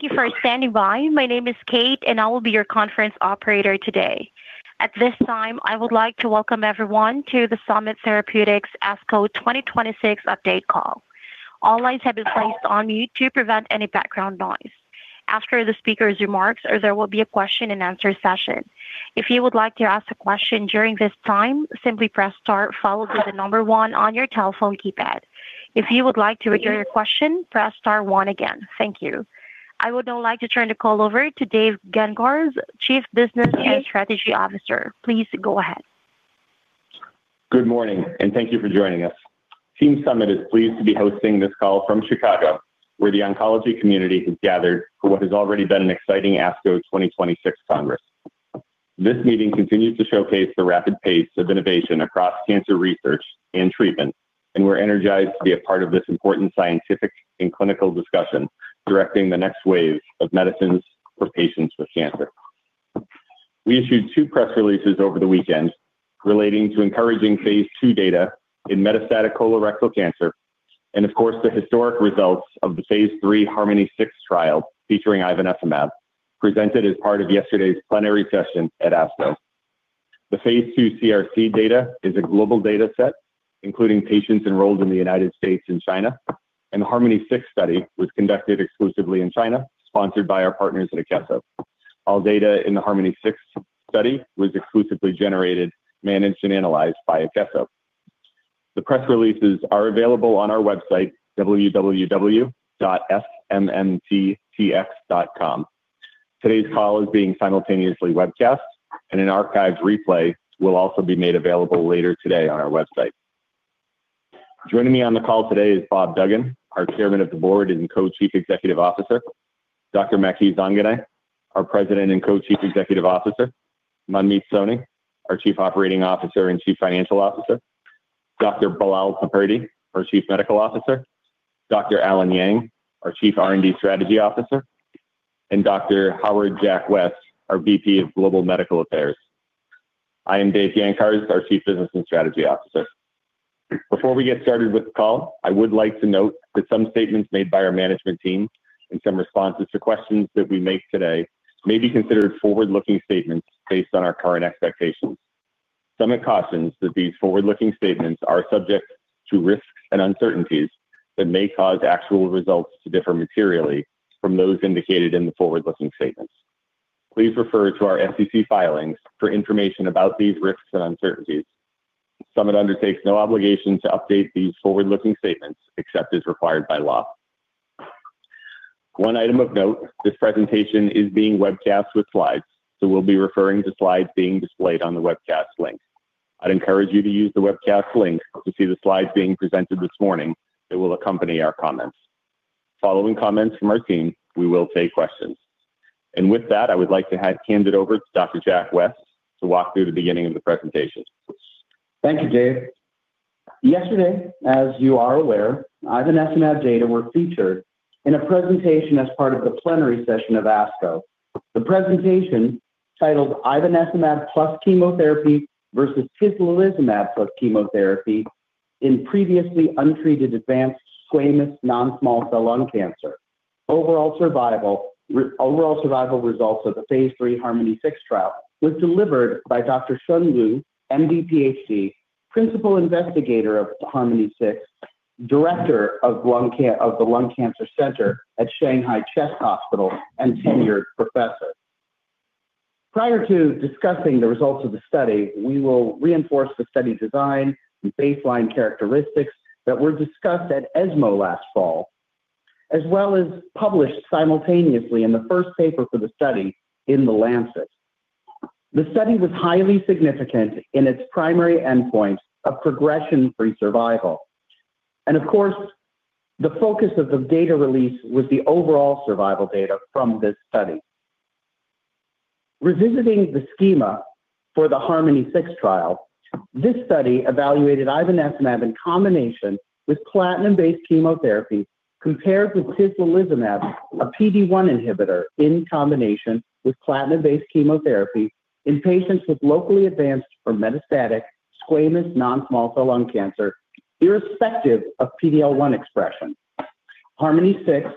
Thank you for standing by. My name is Kate, and I will be your conference operator today. At this time, I would like to welcome everyone to the Summit Therapeutics ASCO 2026 Update Call. All lines have been placed on mute to prevent any background noise. After the speaker's remarks, there will be a question and answer session. If you would like to ask a question during this time, simply press star followed by the number one on your telephone keypad. If you would like to withdraw your question, press star one again. Thank you. I would now like to turn the call over to Dave Gancarz, Chief Business and Strategy Officer. Please go ahead. Good morning. Thank you for joining us. Team Summit is pleased to be hosting this call from Chicago, where the oncology community has gathered for what has already been an exciting ASCO 2026 Congress. This meeting continues to showcase the rapid pace of innovation across cancer research and treatment, and we're energized to be a part of this important scientific and clinical discussion, directing the next wave of medicines for patients with cancer. We issued two press releases over the weekend relating to encouraging phase II data in metastatic colorectal cancer, and of course, the historic results of the phase III HARMONi-6 trial featuring ivonescimab, presented as part of yesterday's plenary session at ASCO. The phase II CRC data is a global data set, including patients enrolled in the United States and China, and the HARMONi-6 study was conducted exclusively in China, sponsored by our partners at Akeso. All data in the HARMONi-6 study was exclusively generated, managed, and analyzed by Akeso. The press releases are available on our website, www.smmt.com. Today's call is being simultaneously webcast and an archived replay will also be made available later today on our website. Joining me on the call today is Bob Duggan, our Chairman of the Board and Co-Chief Executive Officer, Dr. Maky Zanganeh, our President and Co-Chief Executive Officer, Manmeet Soni, our Chief Operating Officer and Chief Financial Officer, Dr. Bilal Piperdi, our Chief Medical Officer, Dr. Allen Yang, our Chief R&D Strategy Officer, and Dr. Howard Jack West, our VP of Global Medical Affairs. I am Dave Gancarz, our Chief Business and Strategy Officer. Before we get started with the call, I would like to note that some statements made by our management team and some responses to questions that we make today may be considered forward-looking statements based on our current expectations. Summit cautions that these forward-looking statements are subject to risks and uncertainties that may cause actual results to differ materially from those indicated in the forward-looking statements. Please refer to our SEC filings for information about these risks and uncertainties. Summit undertakes no obligation to update these forward-looking statements except as required by law. One item of note, this presentation is being webcast with slides, so we'll be referring to slides being displayed on the webcast link. I'd encourage you to use the webcast link to see the slides being presented this morning. It will accompany our comments. Following comments from our team, we will take questions. With that, I would like to hand it over to Dr. Jack West to walk through the beginning of the presentation. Thank you, Dave. Yesterday, as you are aware, ivonescimab data were featured in a presentation as part of the plenary session of ASCO. The presentation, titled "Ivonescimab plus chemotherapy versus tislelizumab plus chemotherapy in previously untreated advanced squamous non-small cell lung cancer: Overall survival results of the phase III HARMONi-6 trial" was delivered by Dr. Shun Lu, M.D. Ph.D., Principal Investigator of HARMONi-6, Director of the Lung Cancer Center at Shanghai Chest Hospital, and Senior Professor. Prior to discussing the results of the study, we will reinforce the study design and baseline characteristics that were discussed at ESMO last fall, as well as published simultaneously in the first paper for the study in The Lancet. The study was highly significant in its primary endpoint of progression-free survival. Of course, the focus of the data release was the overall survival data from this study. Revisiting the schema for the HARMONi-6 trial, this study evaluated ivonescimab in combination with platinum-based chemotherapy compared with tislelizumab, a PD-1 inhibitor, in combination with platinum-based chemotherapy in patients with locally advanced or metastatic squamous non-small cell lung cancer, irrespective of PD-L1 expression. HARMONi-6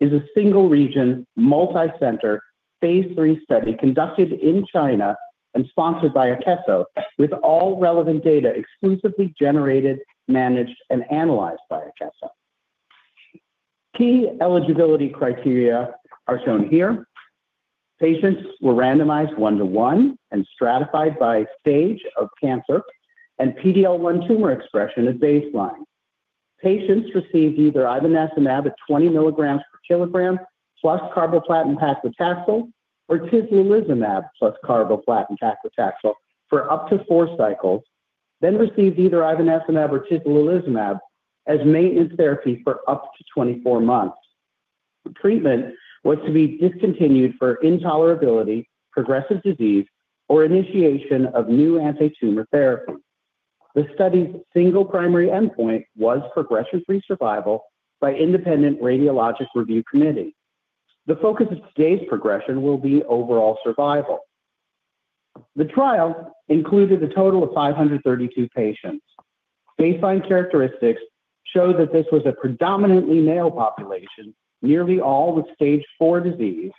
is a single-region, multi-center, phase III study conducted in China and sponsored by Akeso, with all relevant data exclusively generated, managed, and analyzed by Akeso. Key eligibility criteria are shown here. Patients were randomized one-to-one and stratified by stage of cancer and PD-L1 tumor expression at baseline. Patients received either ivonescimab at 20 milligrams per kilogram plus carboplatin paclitaxel, or tislelizumab plus carboplatin paclitaxel for up to four cycles, then received either ivonescimab or tislelizumab as maintenance therapy for up to 24 months. Treatment was to be discontinued for intolerability, progressive disease, or initiation of new anti-tumor therapy. The study's single primary endpoint was progression-free survival by independent radiologic review committee. The focus of today's progression will be overall survival. The trial included a total of 532 patients. Baseline characteristics show that this was a predominantly male population, nearly all with stage 4 disease.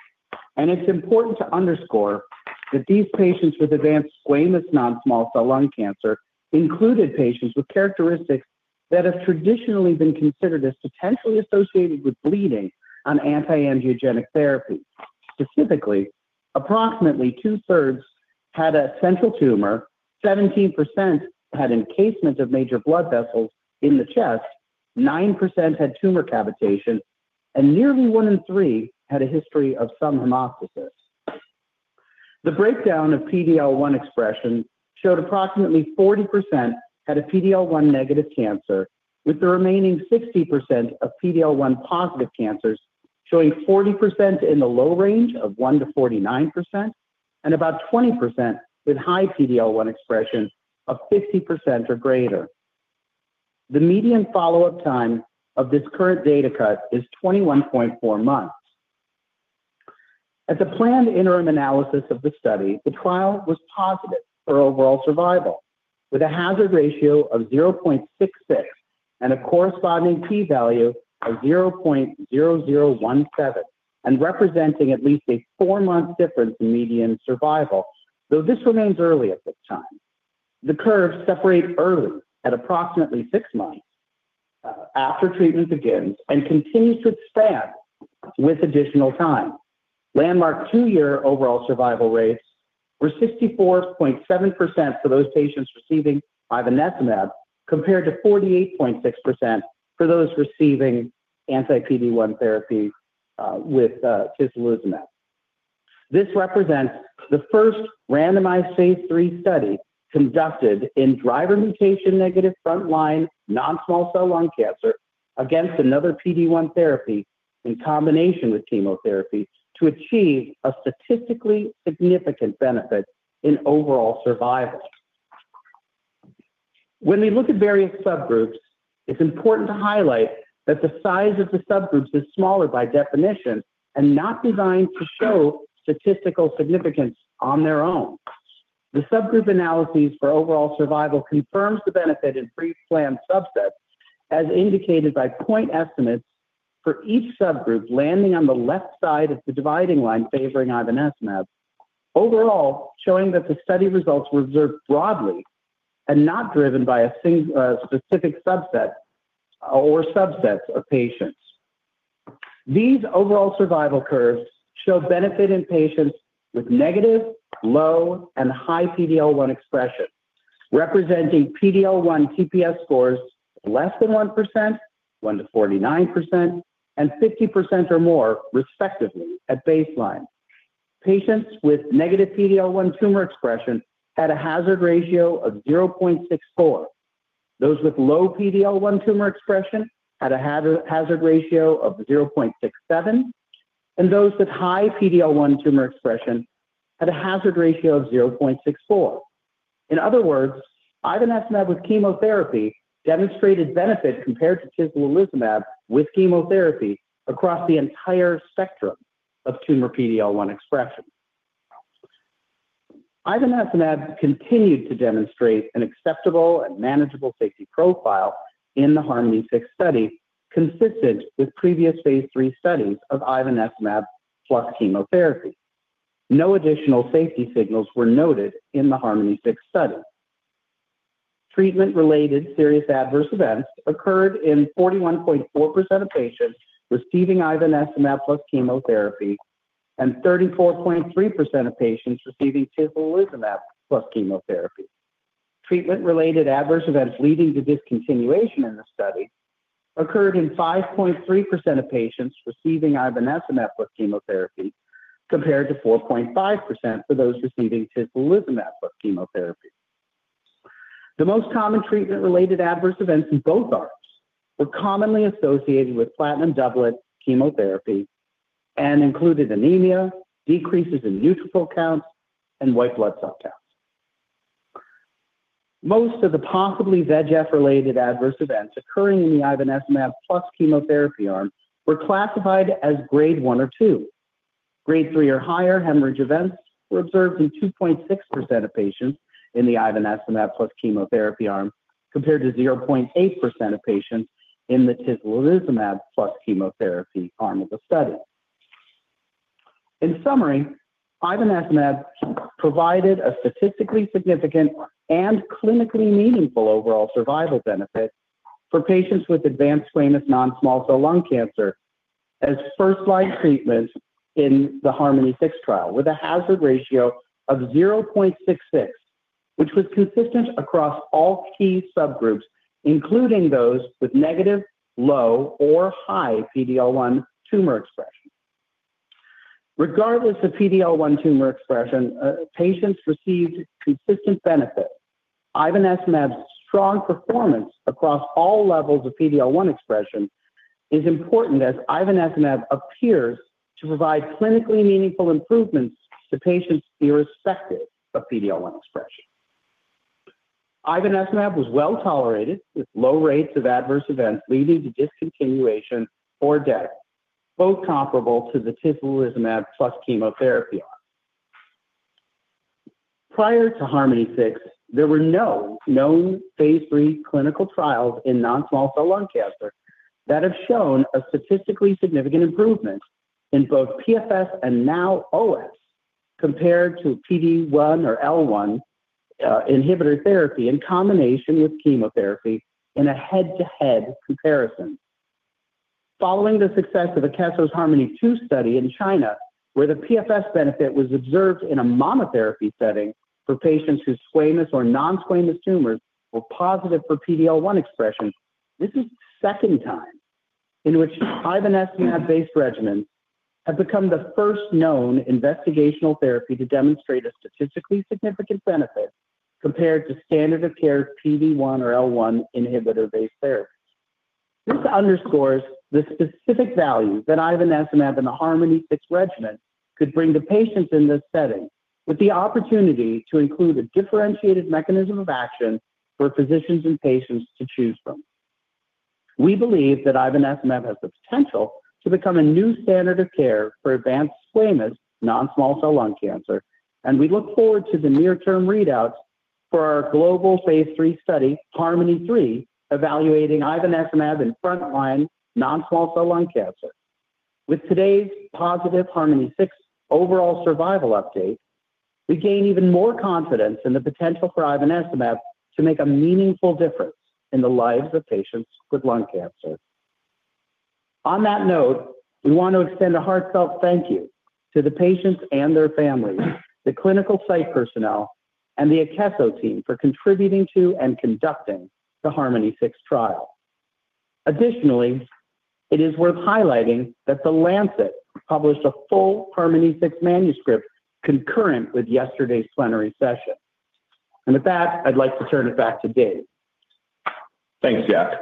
It's important to underscore that these patients with advanced squamous non-small cell lung cancer included patients with characteristics that have traditionally been considered as potentially associated with bleeding on anti-angiogenic therapy. Specifically, approximately two-thirds had a central tumor, 17% had encasement of major blood vessels in the chest, 9% had tumor cavitation, and nearly one in three had a history of some hemoptysis. The breakdown of PD-L1 expression showed approximately 40% had a PD-L1 negative cancer, with the remaining 60% of PD-L1 positive cancers showing 40% in the low range of 1% to 49%, and about 20% with high PD-L1 expression of 50% or greater. The median follow-up time of this current data cut is 21.4 months. At the planned interim analysis of the study, the trial was positive for overall survival, with a hazard ratio of 0.66 and a corresponding key value of 0.0017, and representing at least a four-month difference in median survival, though this remains early at this time. The curves separate early at approximately six months after treatment begins and continues to expand with additional time. Landmark two-year overall survival rates were 64.7% for those patients receiving ivonescimab, compared to 48.6% for those receiving anti-PD-1 therapy with tislelizumab. This represents the first randomized phase III study conducted in driver mutation negative frontline non-small cell lung cancer against another PD-1 therapy in combination with chemotherapy to achieve a statistically significant benefit in overall survival. When we look at various subgroups, it's important to highlight that the size of the subgroups is smaller by definition and not designed to show statistical significance on their own. The subgroup analyses for overall survival confirms the benefit in pre-planned subsets, as indicated by point estimates for each subgroup landing on the left side of the dividing line favoring ivonescimab. Showing that the study results were observed broadly and not driven by a specific subset or subsets of patients. These overall survival curves show benefit in patients with negative, low, and high PD-L1 expression, representing PD-L1 TPS scores less than 1%, 1%-49%, and 50% or more respectively at baseline. Patients with negative PD-L1 tumor expression had a hazard ratio of 0.64. Those with low PD-L1 tumor expression had a hazard ratio of 0.67, and those with high PD-L1 tumor expression had a hazard ratio of 0.64. In other words, ivonescimab with chemotherapy demonstrated benefit compared to tislelizumab with chemotherapy across the entire spectrum of tumor PD-L1 expression. Ivonescimab continued to demonstrate an acceptable and manageable safety profile in the HARMONi-6 study, consistent with previous phase III studies of ivonescimab plus chemotherapy. No additional safety signals were noted in the HARMONi-6 study. Treatment-related serious adverse events occurred in 41.4% of patients receiving ivonescimab plus chemotherapy and 34.3% of patients receiving tislelizumab plus chemotherapy. Treatment-related adverse events leading to discontinuation in the study occurred in 5.3% of patients receiving ivonescimab plus chemotherapy, compared to 4.5% for those receiving tislelizumab plus chemotherapy. The most common treatment-related adverse events in both arms were commonly associated with platinum doublet chemotherapy and included anemia, decreases in neutrophil counts, and white blood cell counts. Most of the possibly VEGF-related adverse events occurring in the ivonescimab plus chemotherapy arm were classified as Grade 1 or 2. Grade 3 or higher hemorrhage events were observed in 2.6% of patients in the ivonescimab plus chemotherapy arm, compared to 0.8% of patients in the tislelizumab plus chemotherapy arm of the study. In summary, ivonescimab provided a statistically significant and clinically meaningful overall survival benefit for patients with advanced squamous non-small cell lung cancer as first-line treatment in the HARMONi-6 trial, with a hazard ratio of 0.66, which was consistent across all key subgroups, including those with negative, low, or high PD-L1 tumor expression. Regardless of PD-L1 tumor expression, patients received consistent benefit. ivonescimab's strong performance across all levels of PD-L1 expression is important as ivonescimab appears to provide clinically meaningful improvements to patients irrespective of PD-L1 expression. ivonescimab was well-tolerated with low rates of adverse events leading to discontinuation or death, both comparable to the tislelizumab plus chemotherapy arm. Prior to HARMONi-6, there were no known phase III clinical trials in non-small cell lung cancer that have shown a statistically significant improvement in both PFS and now OS compared to PD-1 or PD-L1 inhibitor therapy in combination with chemotherapy in a head-to-head comparison. Following the success of Akeso's HARMONi-2 study in China, where the PFS benefit was observed in a monotherapy setting for patients whose squamous or non-squamous tumors were positive for PD-L1 expression. This is the second time in which ivonescimab-based regimens have become the first known investigational therapy to demonstrate a statistically significant benefit compared to standard of care PD-1 or PD-L1 inhibitor-based therapies. This underscores the specific value that ivonescimab in the HARMONi-6 regimen could bring to patients in this setting, with the opportunity to include a differentiated mechanism of action for physicians and patients to choose from. We believe that ivonescimab has the potential to become a new standard of care for advanced squamous non-small cell lung cancer, and we look forward to the near-term readouts for our global phase III study, HARMONi-3, evaluating ivonescimab in first-line non-small cell lung cancer. With today's positive HARMONi-6 overall survival update, we gain even more confidence in the potential for ivonescimab to make a meaningful difference in the lives of patients with lung cancer. On that note, we want to extend a heartfelt thank you to the patients and their families, the clinical site personnel, and the Akeso team for contributing to and conducting the HARMONi-6 trial. Additionally, it is worth highlighting that The Lancet published a full HARMONi-6 manuscript concurrent with yesterday's plenary session. With that, I'd like to turn it back to Dave. Thanks, Jack.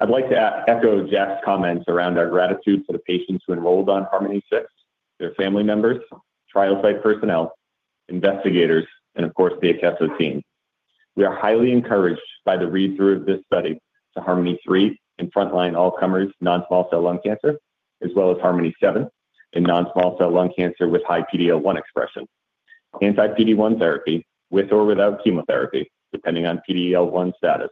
I'd like to echo Jack's comments around our gratitude to the patients who enrolled on HARMONi-6, their family members, trial site personnel, investigators, and of course, the Akeso team. We are highly encouraged by the read-through of this study to HARMONi-3 in frontline all-comers non-small cell lung cancer, as well as HARMONi-7 in non-small cell lung cancer with high PD-L1 expression. Anti-PD-1 therapy, with or without chemotherapy, depending on PD-L1 status,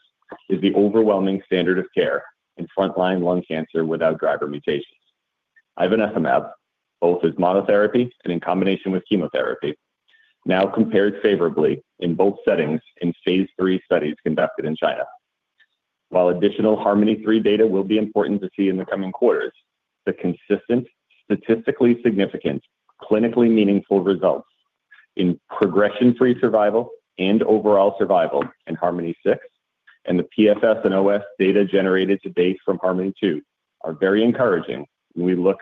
is the overwhelming standard of care in frontline lung cancer without driver mutations. ivonescimab, both as monotherapy and in combination with chemotherapy, now compares favorably in both settings in phase III studies conducted in China. While additional HARMONi-3 data will be important to see in the coming quarters, the consistent, statistically significant, clinically meaningful results in progression-free survival and overall survival in HARMONi-6 and the PFS and OS data generated to date from HARMONi-2 are very encouraging when we look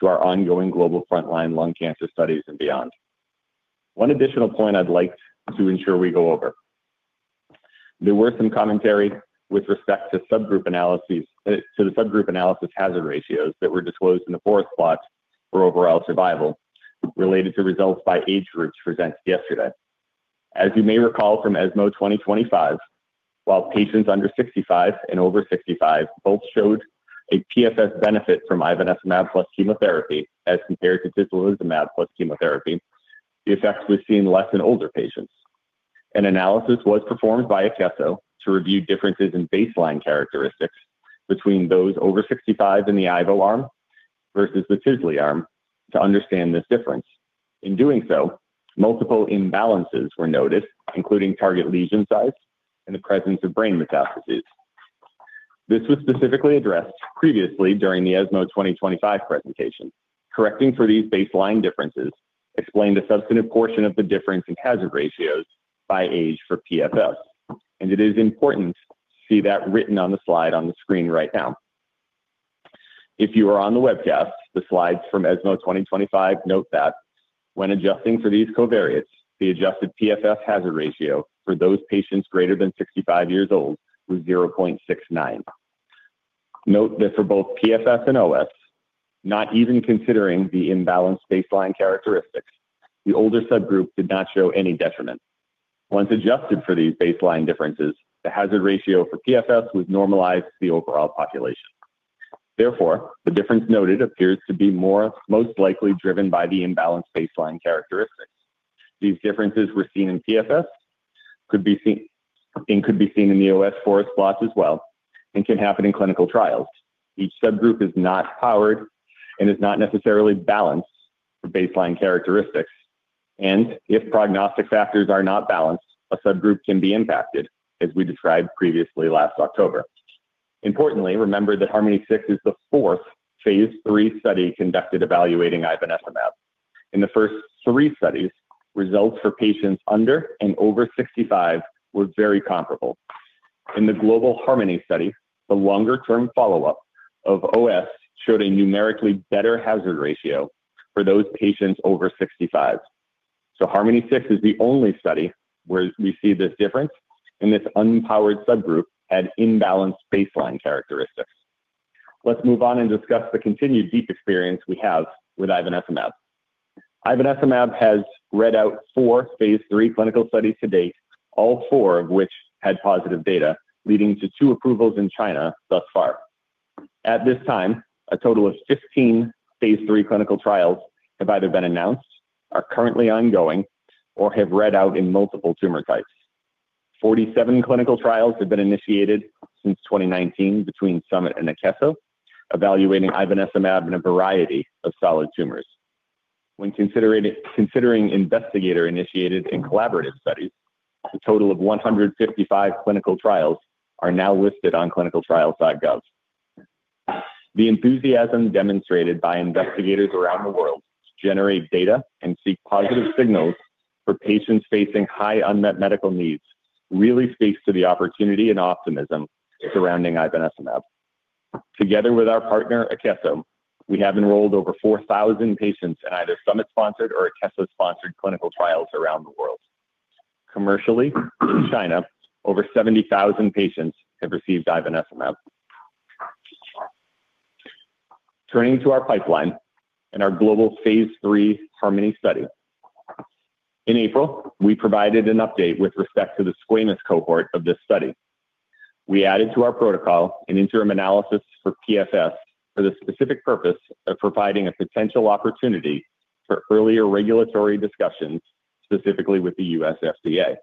to our ongoing global frontline lung cancer studies and beyond. One additional point I'd like to ensure we go over. There were some commentary with respect to the subgroup analysis hazard ratios that were disclosed in the forest plot for overall survival related to results by age groups presented yesterday. As you may recall from ESMO Congress 2025, while patients under 65 and over 65 both showed a PFS benefit from ivonescimab plus chemotherapy as compared to tislelizumab plus chemotherapy, the effects were seen less in older patients. An analysis was performed by Akeso to review differences in baseline characteristics between those over 65 in the ivo arm versus the tisle arm to understand this difference. In doing so, multiple imbalances were noted, including target lesion size and the presence of brain metastases. This was specifically addressed previously during the ESMO Congress 2025 presentation. Correcting for these baseline differences explained a substantive portion of the difference in hazard ratios by age for PFS, and it is important to see that written on the slide on the screen right now. If you are on the webcast, the slides from ESMO Congress 2025 note that when adjusting for these covariates, the adjusted PFS hazard ratio for those patients greater than 65 years old was 0.69. Note that for both PFS and OS, not even considering the imbalanced baseline characteristics, the older subgroup did not show any detriment. Once adjusted for these baseline differences, the hazard ratio for PFS was normalized to the overall population. The difference noted appears to be most likely driven by the imbalanced baseline characteristics. These differences were seen in PFS and could be seen in the OS forest plots as well. Can happen in clinical trials. Each subgroup is not powered and is not necessarily balanced for baseline characteristics. If prognostic factors are not balanced, a subgroup can be impacted, as we described previously last October. Importantly, remember that HARMONi-6 is the fourth phase III study conducted evaluating ivonescimab. In the first three studies, results for patients under and over 65 were very comparable. In the global HARMONi study, the longer-term follow-up of OS showed a numerically better hazard ratio for those patients over 65. HARMONi-6 is the only study where we see this difference, and this unpowered subgroup had imbalanced baseline characteristics. Let's move on and discuss the continued deep experience we have with ivonescimab. Ivonescimab has read out four phase III clinical studies to date, all four of which had positive data, leading to two approvals in China thus far. At this time, a total of 15 phase III clinical trials have either been announced, are currently ongoing, or have read out in multiple tumor types. 47 clinical trials have been initiated since 2019 between Summit and Akeso, evaluating ivonescimab in a variety of solid tumors. When considering investigator-initiated and collaborative studies, a total of 155 clinical trials are now listed on clinicaltrials.gov. The enthusiasm demonstrated by investigators around the world to generate data and seek positive signals for patients facing high unmet medical needs really speaks to the opportunity and optimism surrounding ivonescimab. Together with our partner, Akeso, we have enrolled over 4,000 patients in either Summit-sponsored or Akeso-sponsored clinical trials around the world. Commercially, in China, over 70,000 patients have received ivonescimab. Turning to our pipeline and our global phase III HARMONi study. In April, we provided an update with respect to the squamous cohort of this study. We added to our protocol an interim analysis for PFS for the specific purpose of providing a potential opportunity for earlier regulatory discussions, specifically with the U.S. FDA.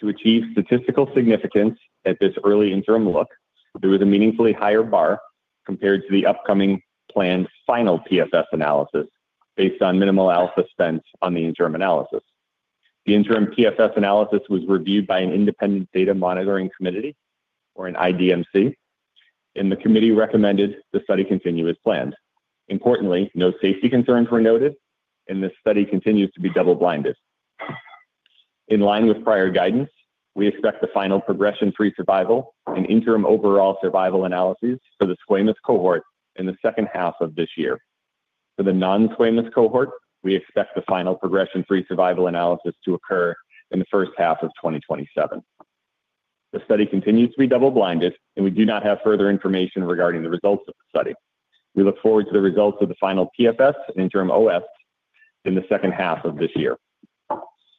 To achieve statistical significance at this early interim look, there was a meaningfully higher bar compared to the upcoming planned final PFS analysis based on minimal alpha spent on the interim analysis. The interim PFS analysis was reviewed by an independent data monitoring committee, or an IDMC, and the committee recommended the study continue as planned. Importantly, no safety concerns were noted, and this study continues to be double-blinded. In line with prior guidance, we expect the final progression-free survival and interim overall survival analyses for the squamous cohort in the second half of this year. For the non-squamous cohort, we expect the final progression-free survival analysis to occur in the first half of 2027. The study continues to be double-blinded, and we do not have further information regarding the results of the study. We look forward to the results of the final PFS and interim OS in the second half of this year.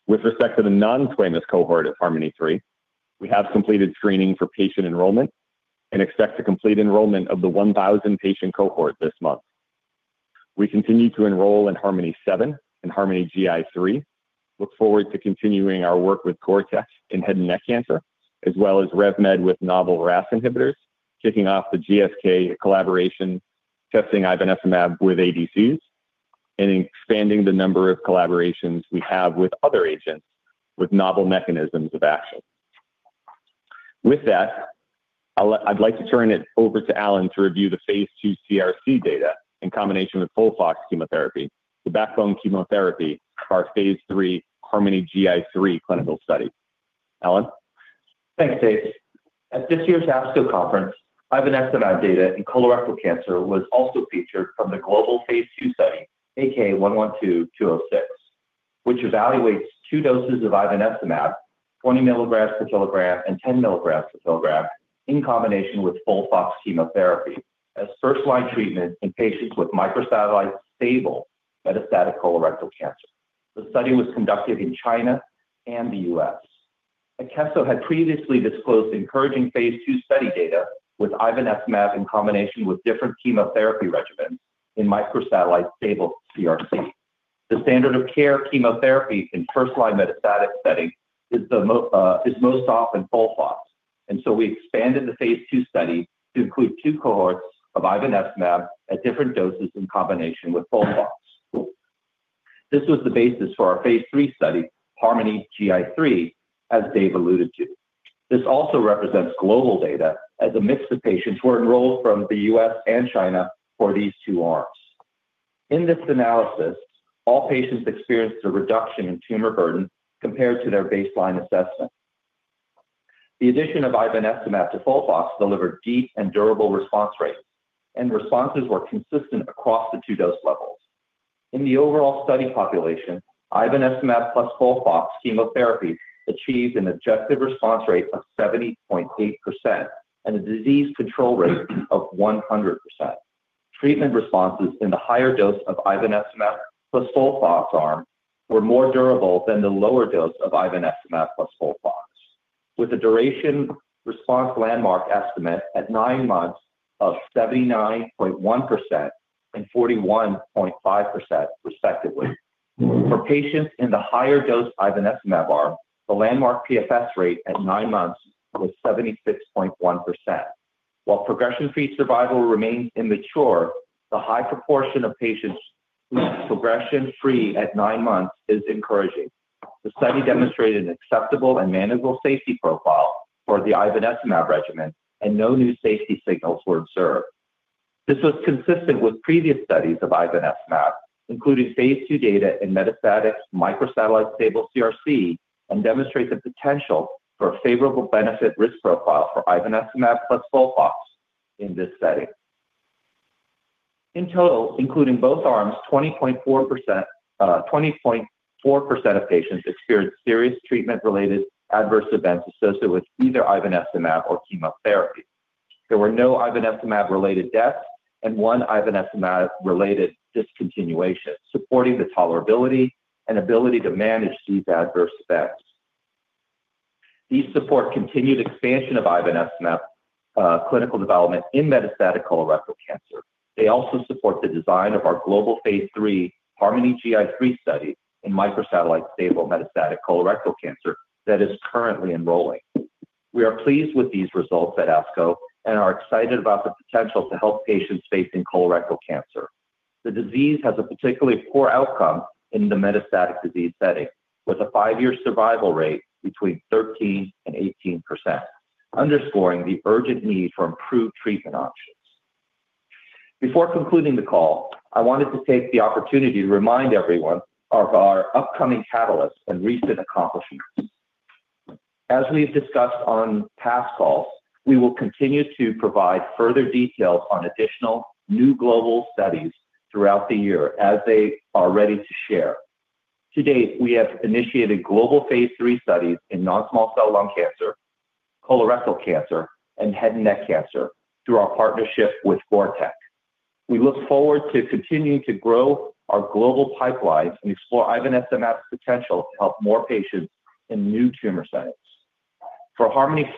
With respect to the non-squamous cohort at HARMONi-3, we have completed screening for patient enrollment and expect to complete enrollment of the 1,000-patient cohort this month. We continue to enroll in HARMONi-7 and HARMONi-GI3. Look forward to continuing our work with CorTech in head and neck cancer, as well as RevMed with novel RAS inhibitors, kicking off the GSK collaboration testing ivonescimab with ADCs, expanding the number of collaborations we have with other agents with novel mechanisms of action. With that, I'd like to turn it over to Allen to review the phase II CRC data in combination with FOLFOX chemotherapy, the backbone chemotherapy of our phase III HARMONi-GI3 clinical study. Allen? Thanks, Dave. At this year's ASCO conference, ivonescimab data in colorectal cancer was also featured from the global phase II study, AK112-206, which evaluates two doses of ivonescimab, 20 milligrams per kilogram and 10 milligrams per kilogram, in combination with FOLFOX chemotherapy as first-line treatment in patients with microsatellite stable metastatic colorectal cancer. The study was conducted in China and the U.S. Akeso had previously disclosed encouraging phase II study data with ivonescimab in combination with different chemotherapy regimens in microsatellite stable CRC. The standard of care chemotherapy in first-line metastatic setting is most often FOLFOX, we expanded the phase II study to include two cohorts of ivonescimab at different doses in combination with FOLFOX. This was the basis for our phase III study, HARMONi-GI3, as Dave alluded to. This also represents global data as a mix of patients who are enrolled from the U.S. and China for these two arms. In this analysis, all patients experienced a reduction in tumor burden compared to their baseline assessment. The addition of ivonescimab to FOLFOX delivered deep and durable response rates, and responses were consistent across the two dose levels. In the overall study population, ivonescimab plus FOLFOX chemotherapy achieved an objective response rate of 70.8% and a disease control rate of 100%. Treatment responses in the higher dose of ivonescimab plus FOLFOX arm were more durable than the lower dose of ivonescimab plus FOLFOX, with the duration response landmark estimate at nine months of 79.1% and 41.5%, respectively. For patients in the higher dose ivonescimab arm, the landmark PFS rate at nine months was 76.1%. While progression-free survival remains immature, the high proportion of patients who are progression free at nine months is encouraging. The study demonstrated an acceptable and manageable safety profile for the ivonescimab regimen, and no new safety signals were observed. This was consistent with previous studies of ivonescimab, including phase II data in metastatic microsatellite stable CRC, and demonstrate the potential for a favorable benefit risk profile for ivonescimab plus FOLFOX in this setting. In total, including both arms, 20.4% of patients experienced serious treatment-related adverse events associated with either ivonescimab or chemotherapy. There were no ivonescimab-related deaths and one ivonescimab-related discontinuation, supporting the tolerability and ability to manage these adverse effects. These support continued expansion of ivonescimab clinical development in metastatic colorectal cancer. They also support the design of our global phase III HARMONi-GI3 study in microsatellite stable metastatic colorectal cancer that is currently enrolling. We are pleased with these results at ASCO and are excited about the potential to help patients facing colorectal cancer. The disease has a particularly poor outcome in the metastatic disease setting, with a five-year survival rate between 13% and 18%, underscoring the urgent need for improved treatment options. Before concluding the call, I wanted to take the opportunity to remind everyone of our upcoming catalysts and recent accomplishments. As we've discussed on past calls, we will continue to provide further details on additional new global studies throughout the year as they are ready to share. To date, we have initiated global phase III studies in non-small cell lung cancer, colorectal cancer, and head and neck cancer through our partnership with Vortec. We look forward to continuing to grow our global pipelines and explore ivonescimab's potential to help more patients in new tumor settings.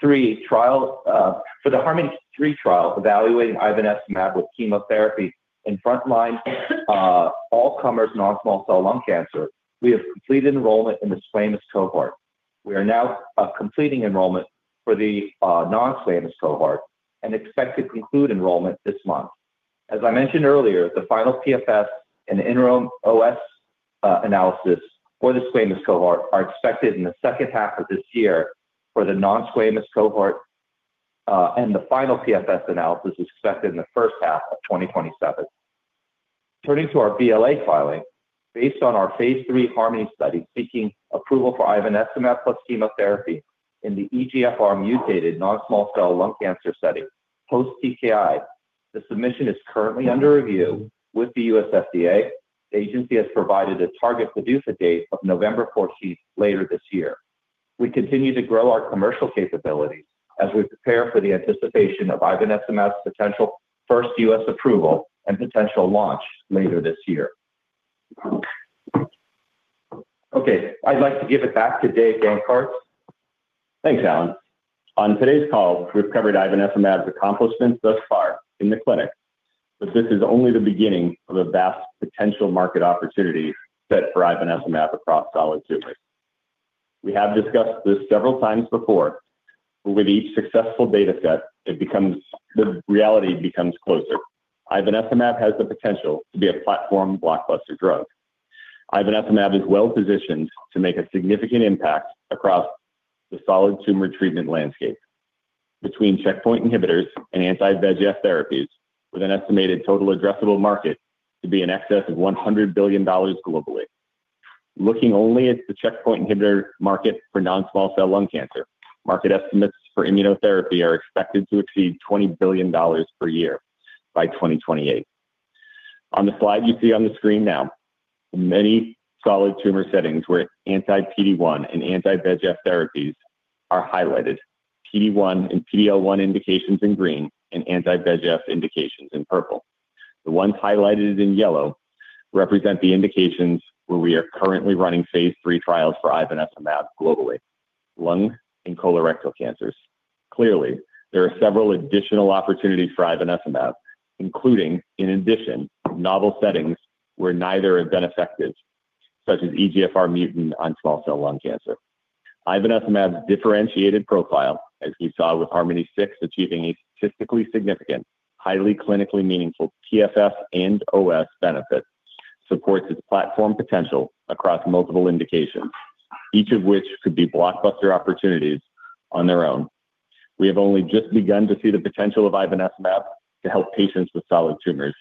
For the HARMONi-3 trial evaluating ivonescimab with chemotherapy in frontline all-comers non-small cell lung cancer, we have completed enrollment in the squamous cohort. We are now completing enrollment for the non-squamous cohort and expect to conclude enrollment this month. As I mentioned earlier, the final PFS and interim OS analysis for the squamous cohort are expected in the second half of this year. For the non-squamous cohort, the final PFS analysis is expected in the first half of 2027. Turning to our BLA filing, based on our phase III HARMONi study seeking approval for ivonescimab plus chemotherapy in the EGFR mutated non-small cell lung cancer setting post-TKI, the submission is currently under review with the U.S. FDA. The agency has provided a target PDUFA date of November 14th later this year. We continue to grow our commercial capabilities as we prepare for the anticipation of ivonescimab's potential first U.S. approval and potential launch later this year. Okay, I'd like to give it back to Dave Gancarz. Thanks, Allen. On today's call, we've covered ivonescimab's accomplishments thus far in the clinic, but this is only the beginning of a vast potential market opportunity set for ivonescimab across solid tumors. We have discussed this several times before, but with each successful data set, the reality becomes closer. Ivonescimab has the potential to be a platform blockbuster drug. Ivonescimab is well-positioned to make a significant impact across the solid tumor treatment landscape between checkpoint inhibitors and anti-VEGF therapies, with an estimated total addressable market to be in excess of $100 billion globally. Looking only at the checkpoint inhibitor market for non-small cell lung cancer, market estimates for immunotherapy are expected to exceed $20 billion per year by 2028. On the slide you see on the screen now, many solid tumor settings where anti-PD-1 and anti-VEGF therapies are highlighted. PD-1 and PD-L1 indications in green, and anti-VEGF indications in purple. The ones highlighted in yellow represent the indications where we are currently running phase III trials for ivonescimab globally, lung and colorectal cancers. Clearly, there are several additional opportunities for ivonescimab, including, in addition, novel settings where neither have been effective, such as EGFR mutant non-small cell lung cancer. Ivonescimab's differentiated profile, as we saw with HARMONi-6 achieving a statistically significant, highly clinically meaningful PFS and OS benefit, supports its platform potential across multiple indications, each of which could be blockbuster opportunities on their own. We have only just begun to see the potential of ivonescimab to help patients with solid tumors.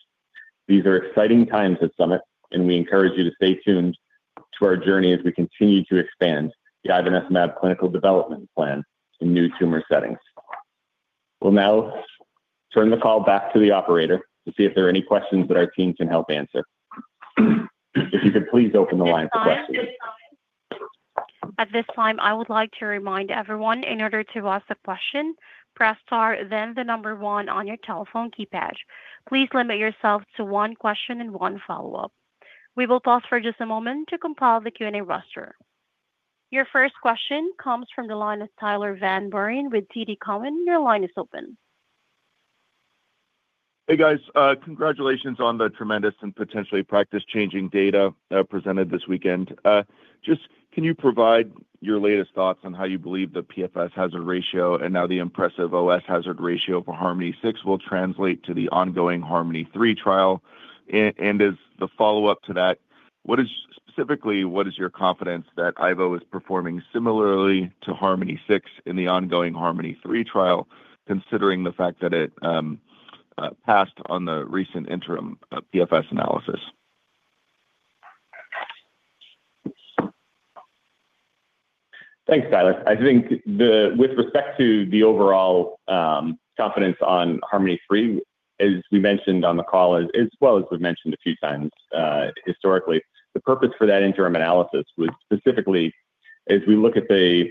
These are exciting times at Summit, and we encourage you to stay tuned to our journey as we continue to expand the ivonescimab clinical development plan in new tumor settings. We'll now turn the call back to the operator to see if there are any questions that our team can help answer. If you could please open the line for questions. At this time, I would like to remind everyone, in order to ask a question, press star then the number one on your telephone keypad. Please limit yourself to one question and one follow-up. We will pause for just a moment to compile the Q&A roster. Your first question comes from the line of Tyler Van Buren with TD Cowen. Your line is open. Hey, guys. Congratulations on the tremendous and potentially practice-changing data presented this weekend. Just, can you provide your latest thoughts on how you believe the PFS hazard ratio and now the impressive OS hazard ratio for HARMONi-6 will translate to the ongoing HARMONi-3 trial? As the follow-up to that, specifically, what is your confidence that ivo is performing similarly to HARMONi-6 in the ongoing HARMONi-3 trial, considering the fact that it passed on the recent interim PFS analysis? Thanks, Tyler. I think with respect to the overall confidence on HARMONi-3, as we mentioned on the call, as well as we've mentioned a few times historically, the purpose for that interim analysis was specifically. As we look at the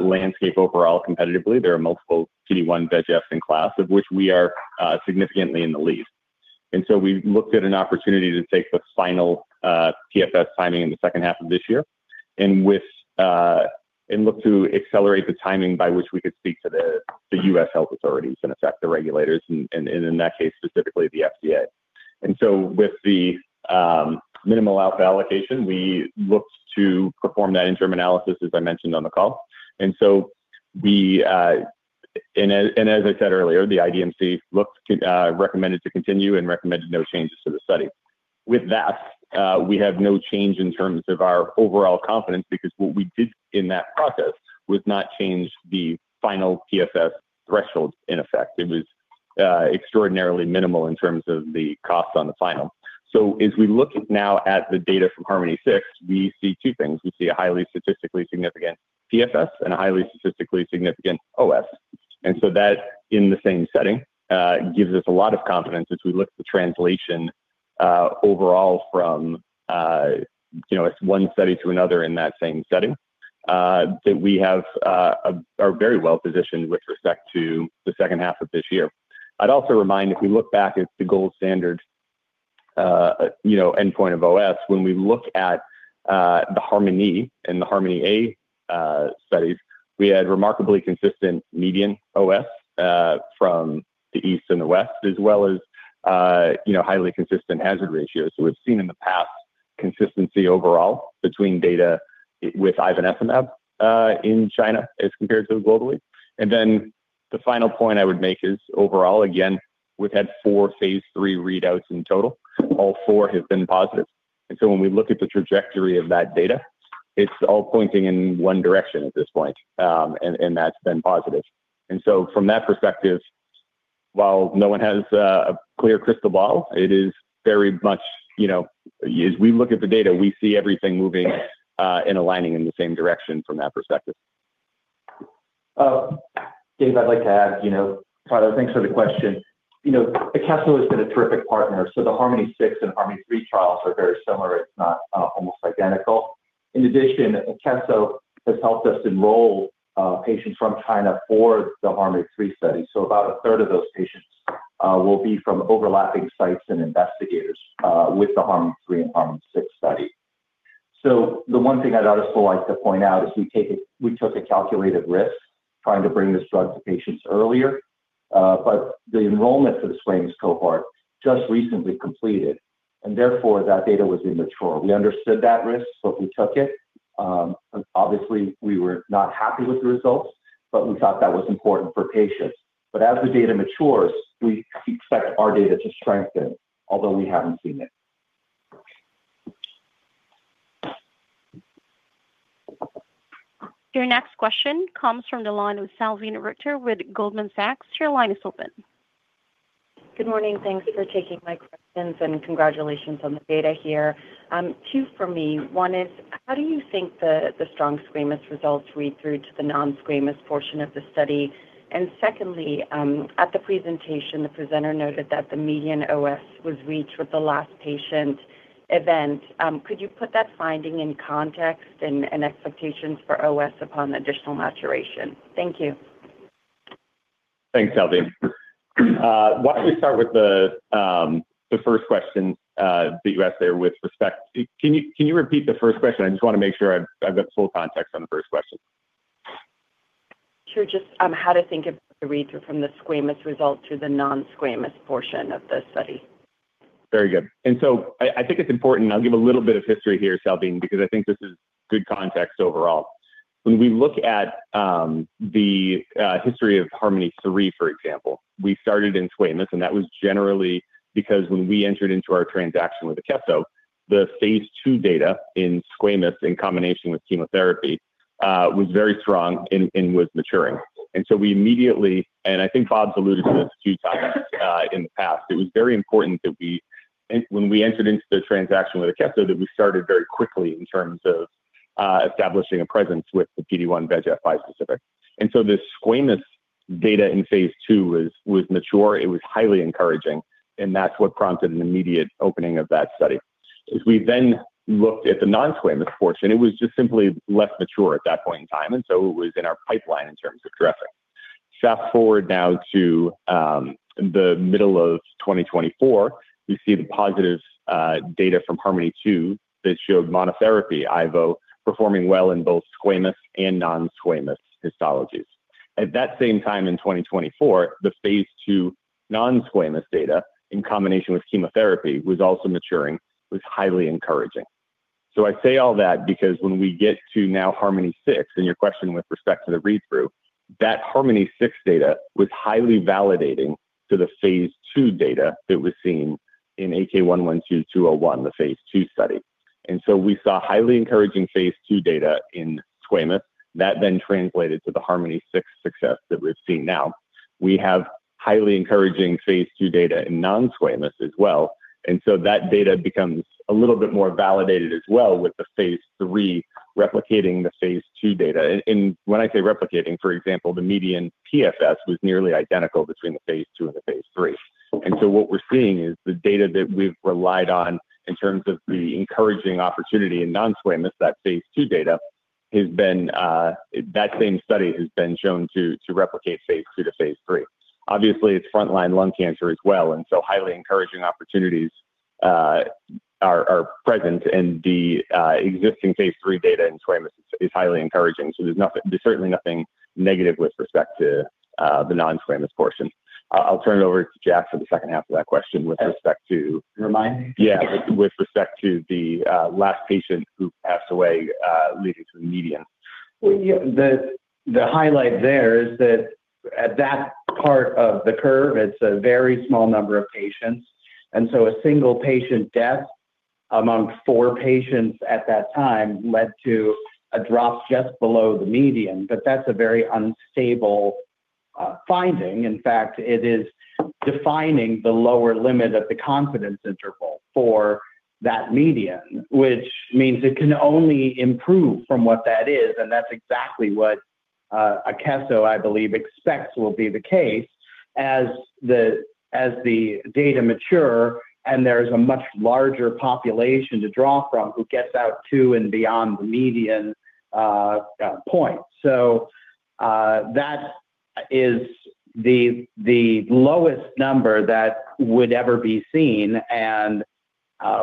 landscape overall competitively, there are multiple PD-1/VEGF in class of which we are significantly in the lead. So we looked at an opportunity to take the final PFS timing in the second half of this year and look to accelerate the timing by which we could speak to the U.S. health authorities, in effect, the regulators and in that case, specifically the FDA. So with the minimal alpha allocation, we looked to perform that interim analysis, as I mentioned on the call. As I said earlier, the IDMC recommended to continue and recommended no changes to the study. With that, we have no change in terms of our overall confidence because what we did in that process was not change the final PFS thresholds in effect. It was extraordinarily minimal in terms of the cost on the final. As we look now at the data from HARMONi-6, we see two things. We see a highly statistically significant PFS and a highly statistically significant OS. That, in the same setting, gives us a lot of confidence as we look at the translation overall from one study to another in that same setting, that we are very well-positioned with respect to the second half of this year. I'd also remind, if we look back at the gold standard endpoint of OS, when we look at the HARMONi and the HARMONi-A studies, we had remarkably consistent median OS from the East and the West as well as highly consistent hazard ratios. We've seen in the past consistency overall between data with ivonescimab in China as compared to globally. The final point I would make is overall, again, we've had four phase III readouts in total. All four have been positive. When we look at the trajectory of that data, it's all pointing in one direction at this point, and that's been positive. From that perspective, while no one has a clear crystal ball, it is very much as we look at the data, we see everything moving and aligning in the same direction from that perspective. Dave, I'd like to add. Tyler, thanks for the question. Akeso has been a terrific partner. The HARMONi-6 and HARMONi-3 trials are very similar, if not almost identical. In addition, Akeso has helped us enroll patients from China for the HARMONi-3 study. About a third of those patients will be from overlapping sites and investigators with the HARMONi-3 and HARMONi-6 study. The one thing I'd also like to point out is we took a calculated risk trying to bring this drug to patients earlier. The enrollment for the squamous cohort just recently completed, therefore that data was immature. We understood that risk. We took it. Obviously, we were not happy with the results. We thought that was important for patients. As the data matures, we expect our data to strengthen, although we haven't seen it. Your next question comes from the line with Salveen Richter with Goldman Sachs. Your line is open. Good morning. Thanks for taking my questions and congratulations on the data here. Two from me. One is, how do you think the strong squamous results read through to the non-squamous portion of the study? Secondly, at the presentation, the presenter noted that the median OS was reached with the last patient event. Could you put that finding in context and expectations for OS upon additional maturation? Thank you. Thanks, Salveen. Why don't we start with the first question that you asked there? Can you repeat the first question? I just want to make sure I've got full context on the first question. Sure. Just how to think of the read-through from the squamous result to the non-squamous portion of the study. Very good. I think it's important, and I'll give a little bit of history here, Salveen, because I think this is good context overall. When we look at the history of HARMONi-3, for example, we started in squamous, and that was generally because when we entered into our transaction with Akeso, the phase II data in squamous in combination with chemotherapy, was very strong and was maturing. We immediately, and I think Bob's alluded to this two times in the past, it was very important that when we entered into the transaction with Akeso, that we started very quickly in terms of establishing a presence with the PD-1/VEGF bispecific. The squamous data in phase II was mature. It was highly encouraging, and that's what prompted an immediate opening of that study. As we then looked at the non-squamous portion, it was just simply less mature at that point in time, and so it was in our pipeline in terms of addressing. Fast-forward now to the middle of 2024. We see the positive data from HARMONi-2 that showed monotherapy Ivo performing well in both squamous and non-squamous histologies. At that same time in 2024, the phase II non-squamous data in combination with chemotherapy was also maturing, was highly encouraging. I say all that because when we get to now HARMONi-06, and your question with respect to the read-through, that HARMONi-06 data was highly validating to the phase II data that was seen in AK112-201, the phase II study. We saw highly encouraging phase II data in squamous. That then translated to the HARMONi-06 success that we're seeing now. We have highly encouraging phase II data in non-squamous as well. That data becomes a little bit more validated as well with the phase III replicating the phase II data. When I say replicating, for example, the median PFS was nearly identical between the phase II and the phase III. What we're seeing is the data that we've relied on in terms of the encouraging opportunity in non-squamous, that phase II data has been, that same study has been shown to replicate phase II to phase III. Obviously, it's frontline lung cancer as well, and so highly encouraging opportunities are present, and the existing phase III data in squamous is highly encouraging. There's certainly nothing negative with respect to the non-squamous portion. I'll turn it over to Jack for the second half of that question with respect to- Remind me? Yeah. With respect to the last patient who passed away, leading to the median. The highlight there is that at that part of the curve, it's a very small number of patients. A single patient death among four patients at that time led to a drop just below the median, but that's a very unstable finding. In fact, it is defining the lower limit of the confidence interval for that median, which means it can only improve from what that is, and that's exactly what Akeso, I believe, expects will be the case as the data mature and there's a much larger population to draw from who gets out to and beyond the median point. That is the lowest number that would ever be seen and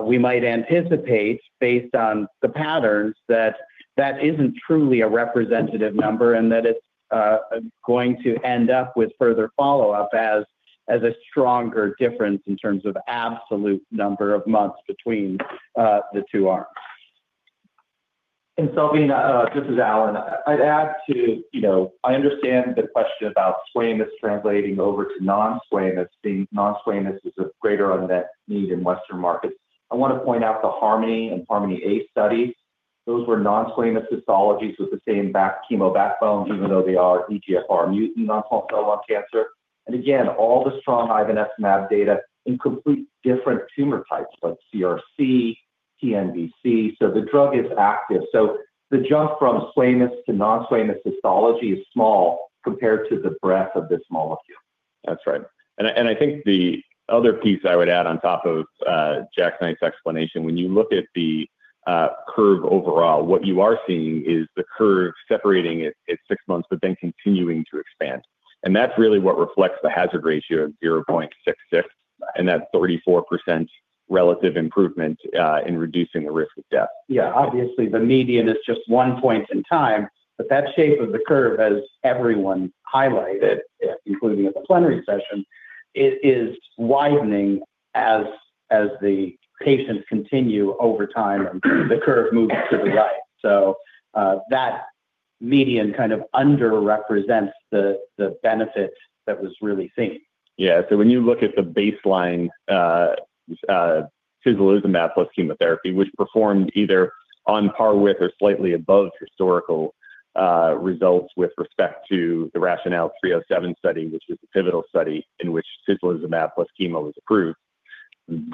we might anticipate, based on the patterns, that that isn't truly a representative number and that it's going to end up with further follow-up as a stronger difference in terms of absolute number of months between the two arms. Salveen, this is Allen. I'd add too, I understand the question about squamous translating over to non-squamous, being non-squamous is of greater unmet need in Western markets. I want to point out the HARMONi and HARMONi-A studies. Those were non-squamous histologies with the same chemo backbones, even though they are EGFR mutant non-small cell lung cancer. again, all the strong ivonescimab data in completely different tumor types like CRC, TNBC. the drug is active. The jump from squamous to non-squamous histology is small compared to the breadth of this molecule. That's right. I think the other piece I would add on top of Jack West's explanation, when you look at the curve overall, what you are seeing is the curve separating at six months, but then continuing to expand. That's really what reflects the hazard ratio of 0.66, and that 34% relative improvement in reducing the risk of death. Yeah. Obviously, the median is just one point in time, but that shape of the curve, as everyone highlighted, including at the plenary session, it is widening as the patients continue over time and the curve moves to the right. That median kind of underrepresents the benefits that was really seen. Yeah. when you look at the baseline, tislelizumab plus chemotherapy, which performed either on par with or slightly above historical results with respect to the RATIONALE 307 study, which was the pivotal study in which tislelizumab plus chemo was approved.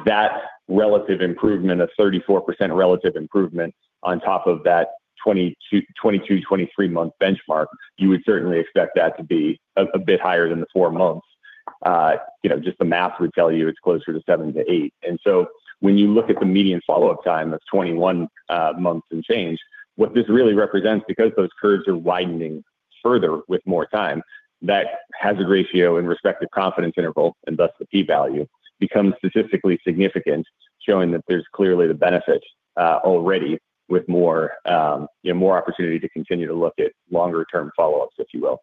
That relative improvement of 34% relative improvement on top of that 22, 23-month benchmark, you would certainly expect that to be a bit higher than the four months. Just the math would tell you it's closer to seven to eight. when you look at the median follow-up time of 21 months and change, what this really represents, because those curves are widening further with more time, that hazard ratio in respect to confidence interval, and thus the P value, becomes statistically significant, showing that there's clearly the benefit already with more opportunity to continue to look at longer term follow-ups, if you will.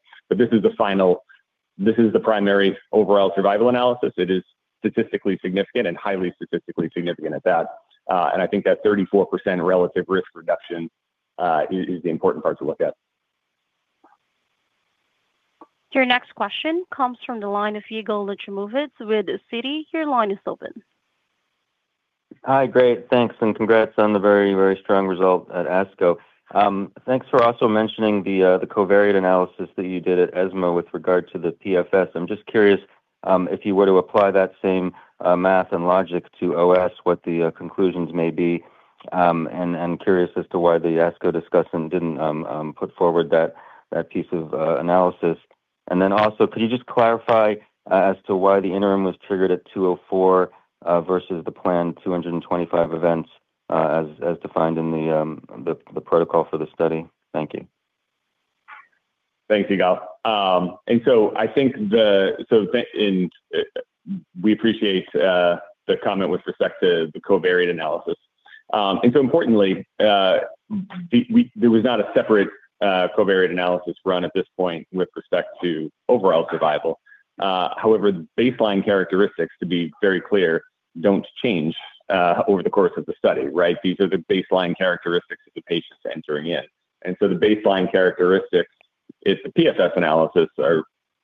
This is the primary overall survival analysis. It is statistically significant and highly statistically significant at that. I think that 34% relative risk reduction is the important part to look at. Your next question comes from the line of Yigal Nochomovitz with Citi. Your line is open. Hi. Great, thanks and congrats on the very, very strong result at ASCO. Thanks for also mentioning the covariate analysis that you did at ESMO with regard to the PFS. I'm just curious, if you were to apply that same math and logic to OS, what the conclusions may be, and curious as to why the ASCO discussant didn't put forward that piece of analysis. Then also, could you just clarify as to why the interim was triggered at 204 versus the planned 225 events as defined in the protocol for the study? Thank you. Thanks, Yigal. We appreciate the comment with respect to the covariate analysis. Importantly, there was not a separate covariate analysis run at this point with respect to overall survival. However, the baseline characteristics, to be very clear, don't change over the course of the study, right? These are the baseline characteristics of the patients entering in. The baseline characteristics, its PFS analysis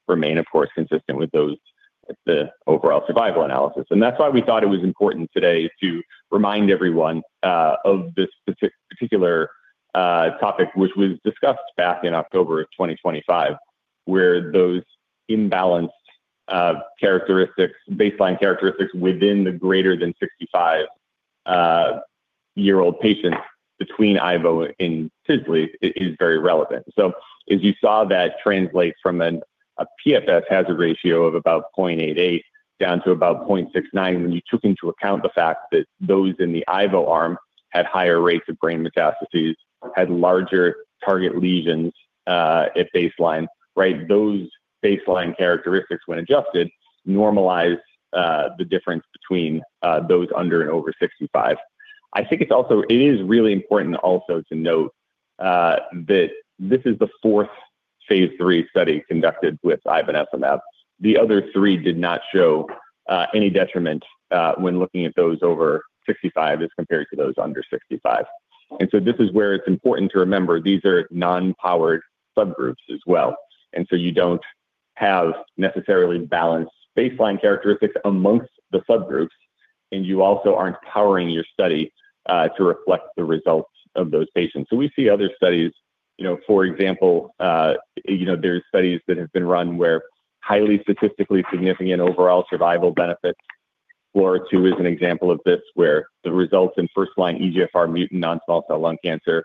remain, of course, consistent with those at the overall survival analysis. That's why we thought it was important today to remind everyone of this particular topic, which was discussed back in October of 2025, where those imbalanced characteristics, baseline characteristics within the greater than 65-year-old patients between Ivo and Tisley is very relevant. As you saw, that translates from a PFS hazard ratio of about 0.88 down to about 0.69 when you took into account the fact that those in the ivo arm had higher rates of brain metastases, had larger target lesions at baseline. Those baseline characteristics, when adjusted, normalize the difference between those under and over 65. I think it is really important also to note that this is the fourth phase III study conducted with ivonescimab. The other three did not show any detriment when looking at those over 65 as compared to those under 65. this is where it's important to remember these are non-powered subgroups as well. you don't have necessarily balanced baseline characteristics amongst the subgroups, and you also aren't powering your study to reflect the results of those patients. We see other studies, for example there's studies that have been run where highly statistically significant overall survival benefits, FLAURA2 is an example of this, where the results in first-line EGFR mutant non-small cell lung cancer,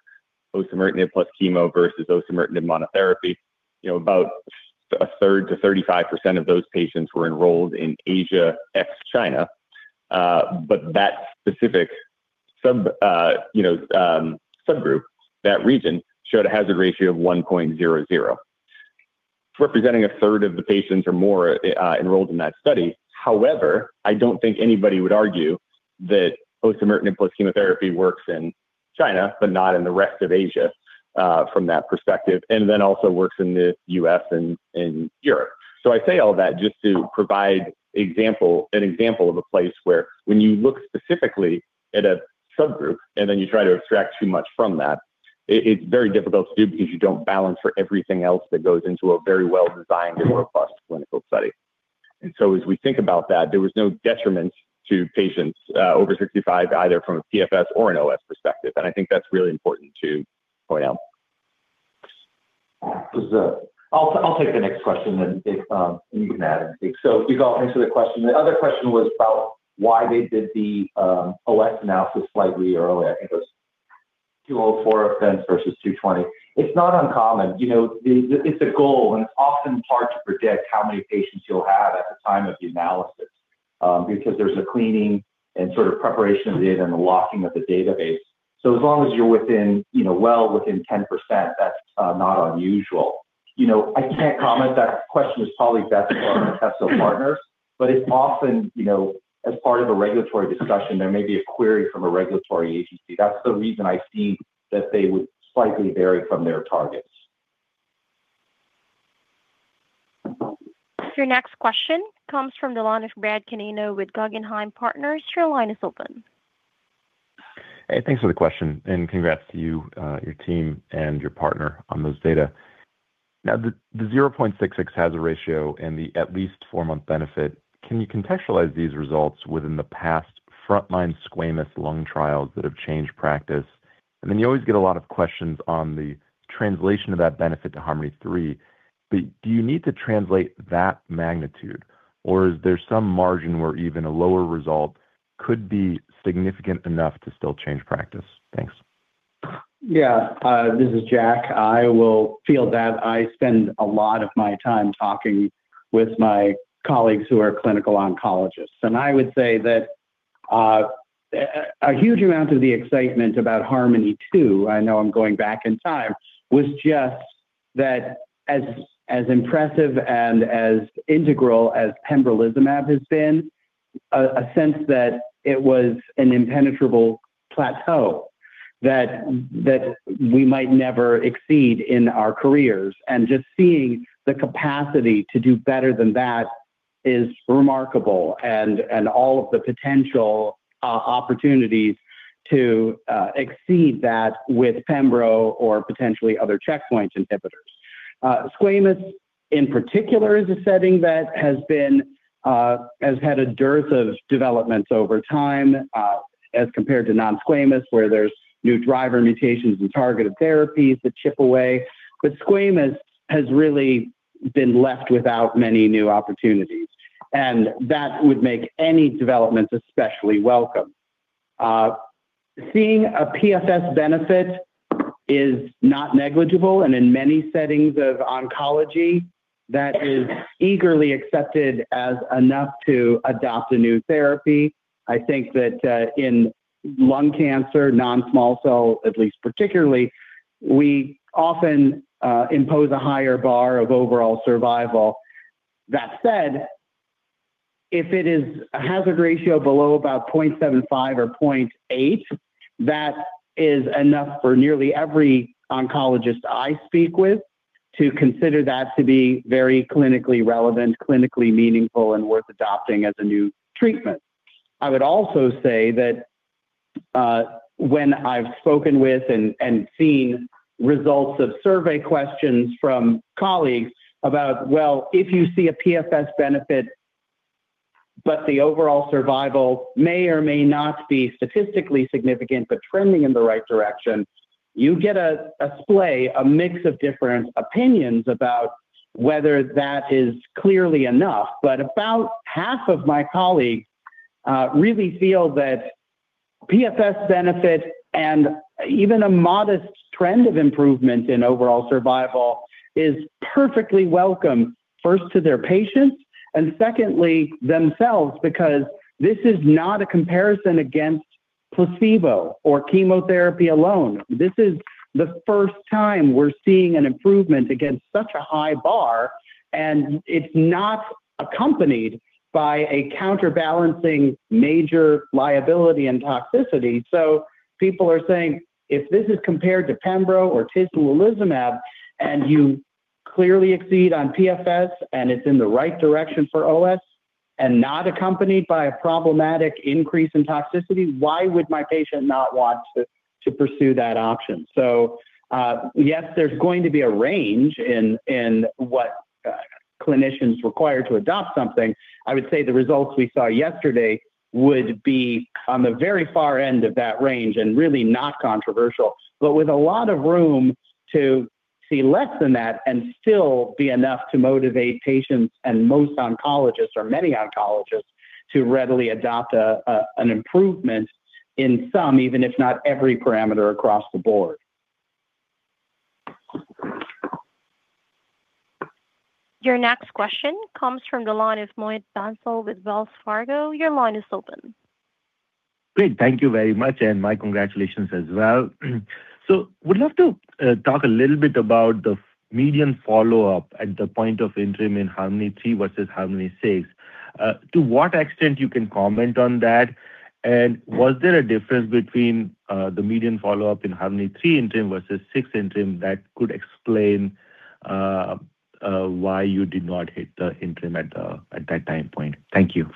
osimertinib plus chemo versus osimertinib monotherapy. About a third to 35% of those patients were enrolled in Asia ex China. That specific subgroup, that region, showed a hazard ratio of 1.00. Representing a third of the patients or more enrolled in that study. However, I don't think anybody would argue that osimertinib plus chemotherapy works in China, but not in the rest of Asia from that perspective, and then also works in the U.S. and in Europe. I say all that just to provide an example of a place where when you look specifically at a subgroup and then you try to extract too much from that, it's very difficult to do because you don't balance for everything else that goes into a very well-designed and robust clinical study. as we think about that, there was no detriment to patients over 65, either from a PFS or an OS perspective. I think that's really important to point out. I'll take the next question and you can add in. You've answered the question. The other question was about why they did the OS analysis slightly early. I think it was 204 events versus 220. It's not uncommon. It's a goal and it's often hard to predict how many patients you'll have at the time of the analysis, because there's a cleaning and sort of preparation of the data and the locking of the database. As long as you're well within 10%, that's not unusual. I can't comment. That question is probably best for our Akeso partners, but it's often, as part of a regulatory discussion, there may be a query from a regulatory agency. That's the reason I see that they would slightly vary from their targets. Your next question comes fro m the line of Brad Canino with Guggenheim Partners. Your line is open. Hey, thanks for the question and congrats to you, your team and your partner on those data. Now, the 0.66 hazard ratio and the at least four-month benefit, can you contextualize these results within the past frontline squamous lung trials that have changed practice? You always get a lot of questions on the translation of that benefit to HARMONi-3, but do you need to translate that magnitude, or is there some margin where even a lower result could be significant enough to still change practice? Thanks. Yeah. This is Jack. I will field that. I spend a lot of my time talking with my colleagues who are clinical oncologists, and I would say that a huge amount of the excitement about HARMONi-2, I know I'm going back in time, was just that as impressive and as integral as pembrolizumab has been, a sense that it was an impenetrable plateau that we might never exceed in our careers. Just seeing the capacity to do better than that is remarkable, and all of the potential opportunities to exceed that with pembro or potentially other checkpoint inhibitors. Squamous in particular is a setting that has had a dearth of developments over time, as compared to non-squamous, where there's new driver mutations and targeted therapies that chip away. Squamous has really been left without many new opportunities, and that would make any developments especially welcome. Seeing a PFS benefit is not negligible, and in many settings of oncology, that is eagerly accepted as enough to adopt a new therapy. I think that in lung cancer, non-small cell at least particularly, we often impose a higher bar of overall survival. That said, if it is a hazard ratio below about 0.75 or 0.8, that is enough for nearly every oncologist I speak with to consider that to be very clinically relevant, clinically meaningful, and worth adopting as a new treatment. I would also say that when I've spoken with and seen results of survey questions from colleagues about, well, if you see a PFS benefit, but the overall survival may or may not be statistically significant, but trending in the right direction, you get a splay, a mix of different opinions about whether that is clearly enough. About half of my colleagues really feel that- PFS benefit and even a modest trend of improvement in overall survival is perfectly welcome, first to their patients, and secondly, themselves, because this is not a comparison against placebo or chemotherapy alone. This is the first time we're seeing an improvement against such a high bar, and it's not accompanied by a counterbalancing major liability and toxicity. People are saying, if this is compared to Pembro or tislelizumab, and you clearly exceed on PFS, and it's in the right direction for OS, and not accompanied by a problematic increase in toxicity, why would my patient not want to pursue that option? Yes, there's going to be a range in what clinicians require to adopt something. I would say the results we saw yesterday would be on the very far end of that range and really not controversial. With a lot of room to see less than that and still be enough to motivate patients and most oncologists or many oncologists to readily adopt an improvement in some, even if not every parameter across the board. Your next question comes from the line of Mohit Bansal with Wells Fargo. Your line is open. Great. Thank you very much, and my congratulations as well. Would love to talk a little bit about the median follow-up at the point of interim in HARMONi-3 versus HARMONi-6. To what extent you can comment on that, and was there a difference between the median follow-up in HARMONi-3 interim versus six interim that could explain why you did not hit the interim at that time point? Thank you.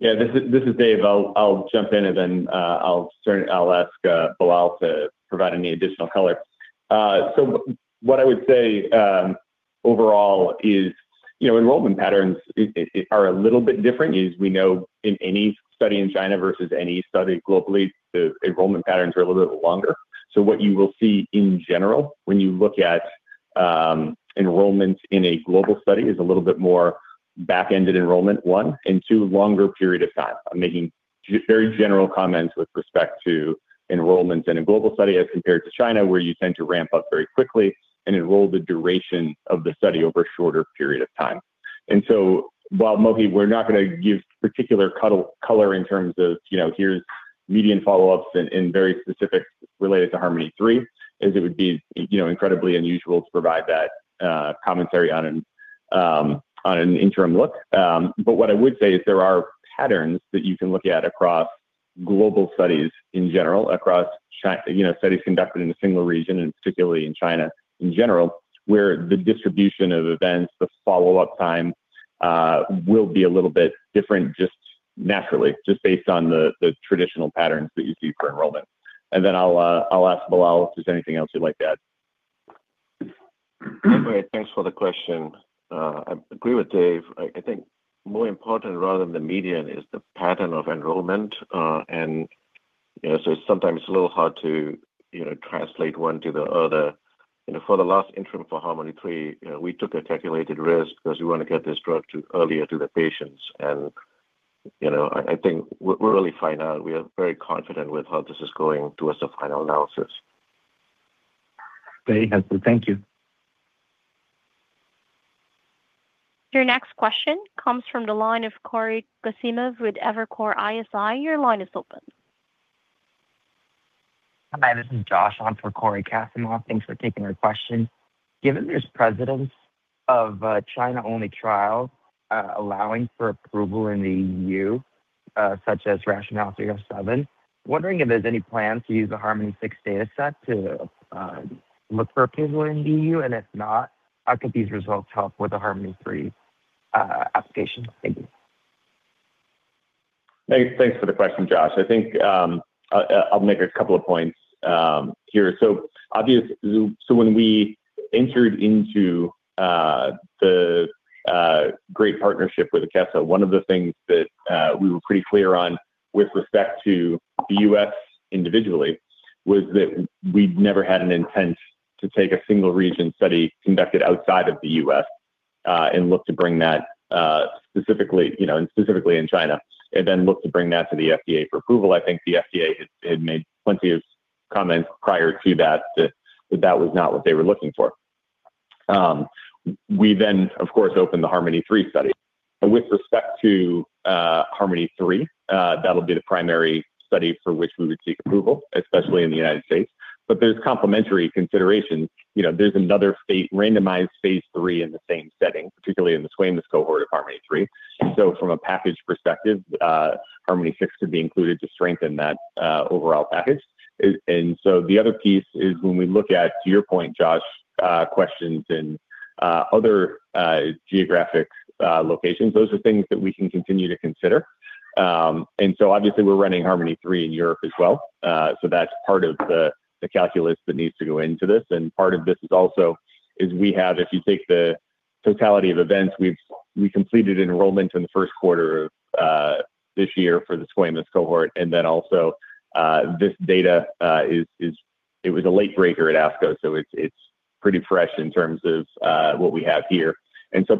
Yeah. This is Dave. I'll jump in and then I'll ask Bilal to provide any additional color. What I would say overall is enrollment patterns are a little bit different. As we know, in any study in China versus any study globally, the enrollment patterns are a little bit longer. What you will see in general when you look at enrollment in a global study is a little bit more back-ended enrollment, one, and two, longer period of time. I'm making very general comments with respect to enrollment in a global study as compared to China, where you tend to ramp up very quickly and enroll the duration of the study over a shorter period of time. While Mohit, we're not going to give particular color in terms of here's median follow-ups and very specific related to HARMONi-3, as it would be incredibly unusual to provide that commentary on an interim look. What I would say is there are patterns that you can look at across global studies in general, across studies conducted in a single region, and particularly in China in general, where the distribution of events, the follow-up time, will be a little bit different just naturally, just based on the traditional patterns that you see for enrollment. I'll ask Bilal if there's anything else you'd like to add. Great. Thanks for the question. I agree with Dave. I think more important rather than the median is the pattern of enrollment. Sometimes it's a little hard to translate one to the other. For the last interim for HARMONi-3, we took a calculated risk because we want to get this drug earlier to the patients. I think we're really fine now. We are very confident with how this is going towards the final analysis. Very helpful. Thank you. Your next question comes from the line of Corey Kasimov with Evercore ISI. Your line is open. Hi, this is Josh on for Corey Kasimov. Thanks for taking our question. Given there's precedence of China-only trial allowing for approval in the EU, such as RATIONALE 307, wondering if there's any plans to use the HARMONi-6 data set to look for approval in EU, and if not, how could these results help with the HARMONi-3 application? Thank you. Thanks for the question, Josh. I think I'll make a couple of points here. When we entered into the great partnership with Akeso, one of the things that we were pretty clear on with respect to the U.S. individually was that we'd never had an intent to take a single region study conducted outside of the U.S. and look to bring that specifically in China, and look to bring that to the FDA for approval. I think the FDA had made plenty of comments prior to that that was not what they were looking for. We, of course, opened the HARMONi-3 study. With respect to HARMONi-3, that'll be the primary study for which we would seek approval, especially in the United States. There's complementary considerations. There's another randomized phase III in the same setting, particularly in the squamous cohort of HARMONi-3. From a package perspective, HARMONi-6 could be included to strengthen that overall package. The other piece is when we look at, to your point, Josh, questions and other geographic locations, those are things that we can continue to consider. Obviously, we're running HARMONi-3 in Europe as well. That's part of the calculus that needs to go into this, and part of this is also is we have, if you take the totality of events, we completed enrollment in the first quarter of this year for the squamous cohort. It was a late breaker at ASCO, so it's pretty fresh in terms of what we have here.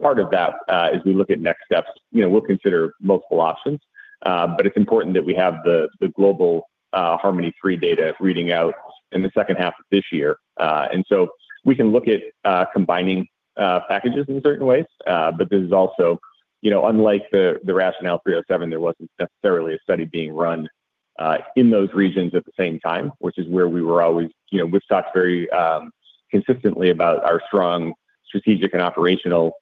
Part of that, as we look at next steps, we'll consider multiple options, but it's important that we have the global HARMONi-3 data reading out in the second half of this year. We can look at combining packages in certain ways. But this is also unlike the RATIONALE 307, there wasn't necessarily a study being run in those regions at the same time, which is where we've talked very consistently about our strong strategic and operational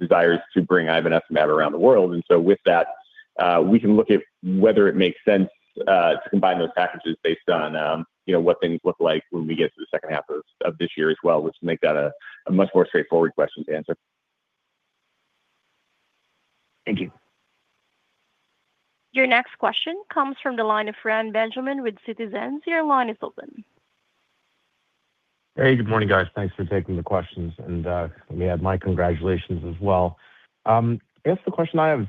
desires to bring ivonescimab around the world. With that, we can look at whether it makes sense to combine those packages based on what things look like when we get to the second half of this year as well, which make that a much more straightforward question to answer. Thank you. Your next question comes from the line of Reni Benjamin with Citizens. Your line is open. Hey, good morning, guys. Thanks for taking the questions. Let me add my congratulations as well. I guess the question I have,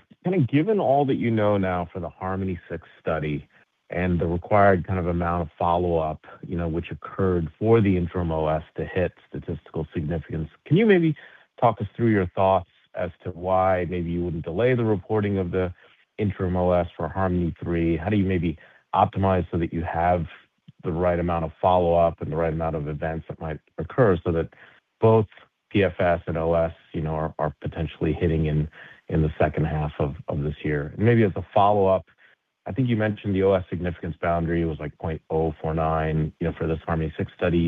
given all that you know now for the HARMONi-06 study and the required amount of follow-up which occurred for the interim OS to hit statistical significance, can you maybe talk us through your thoughts as to why maybe you wouldn't delay the reporting of the interim OS for HARMONi-03? How do you maybe optimize so that you have the right amount of follow-up and the right amount of events that might occur so that both PFS and OS are potentially hitting in the second half of this year? Maybe as a follow-up, I think you mentioned the OS significance boundary was like 0.049 for this HARMONi-06 study.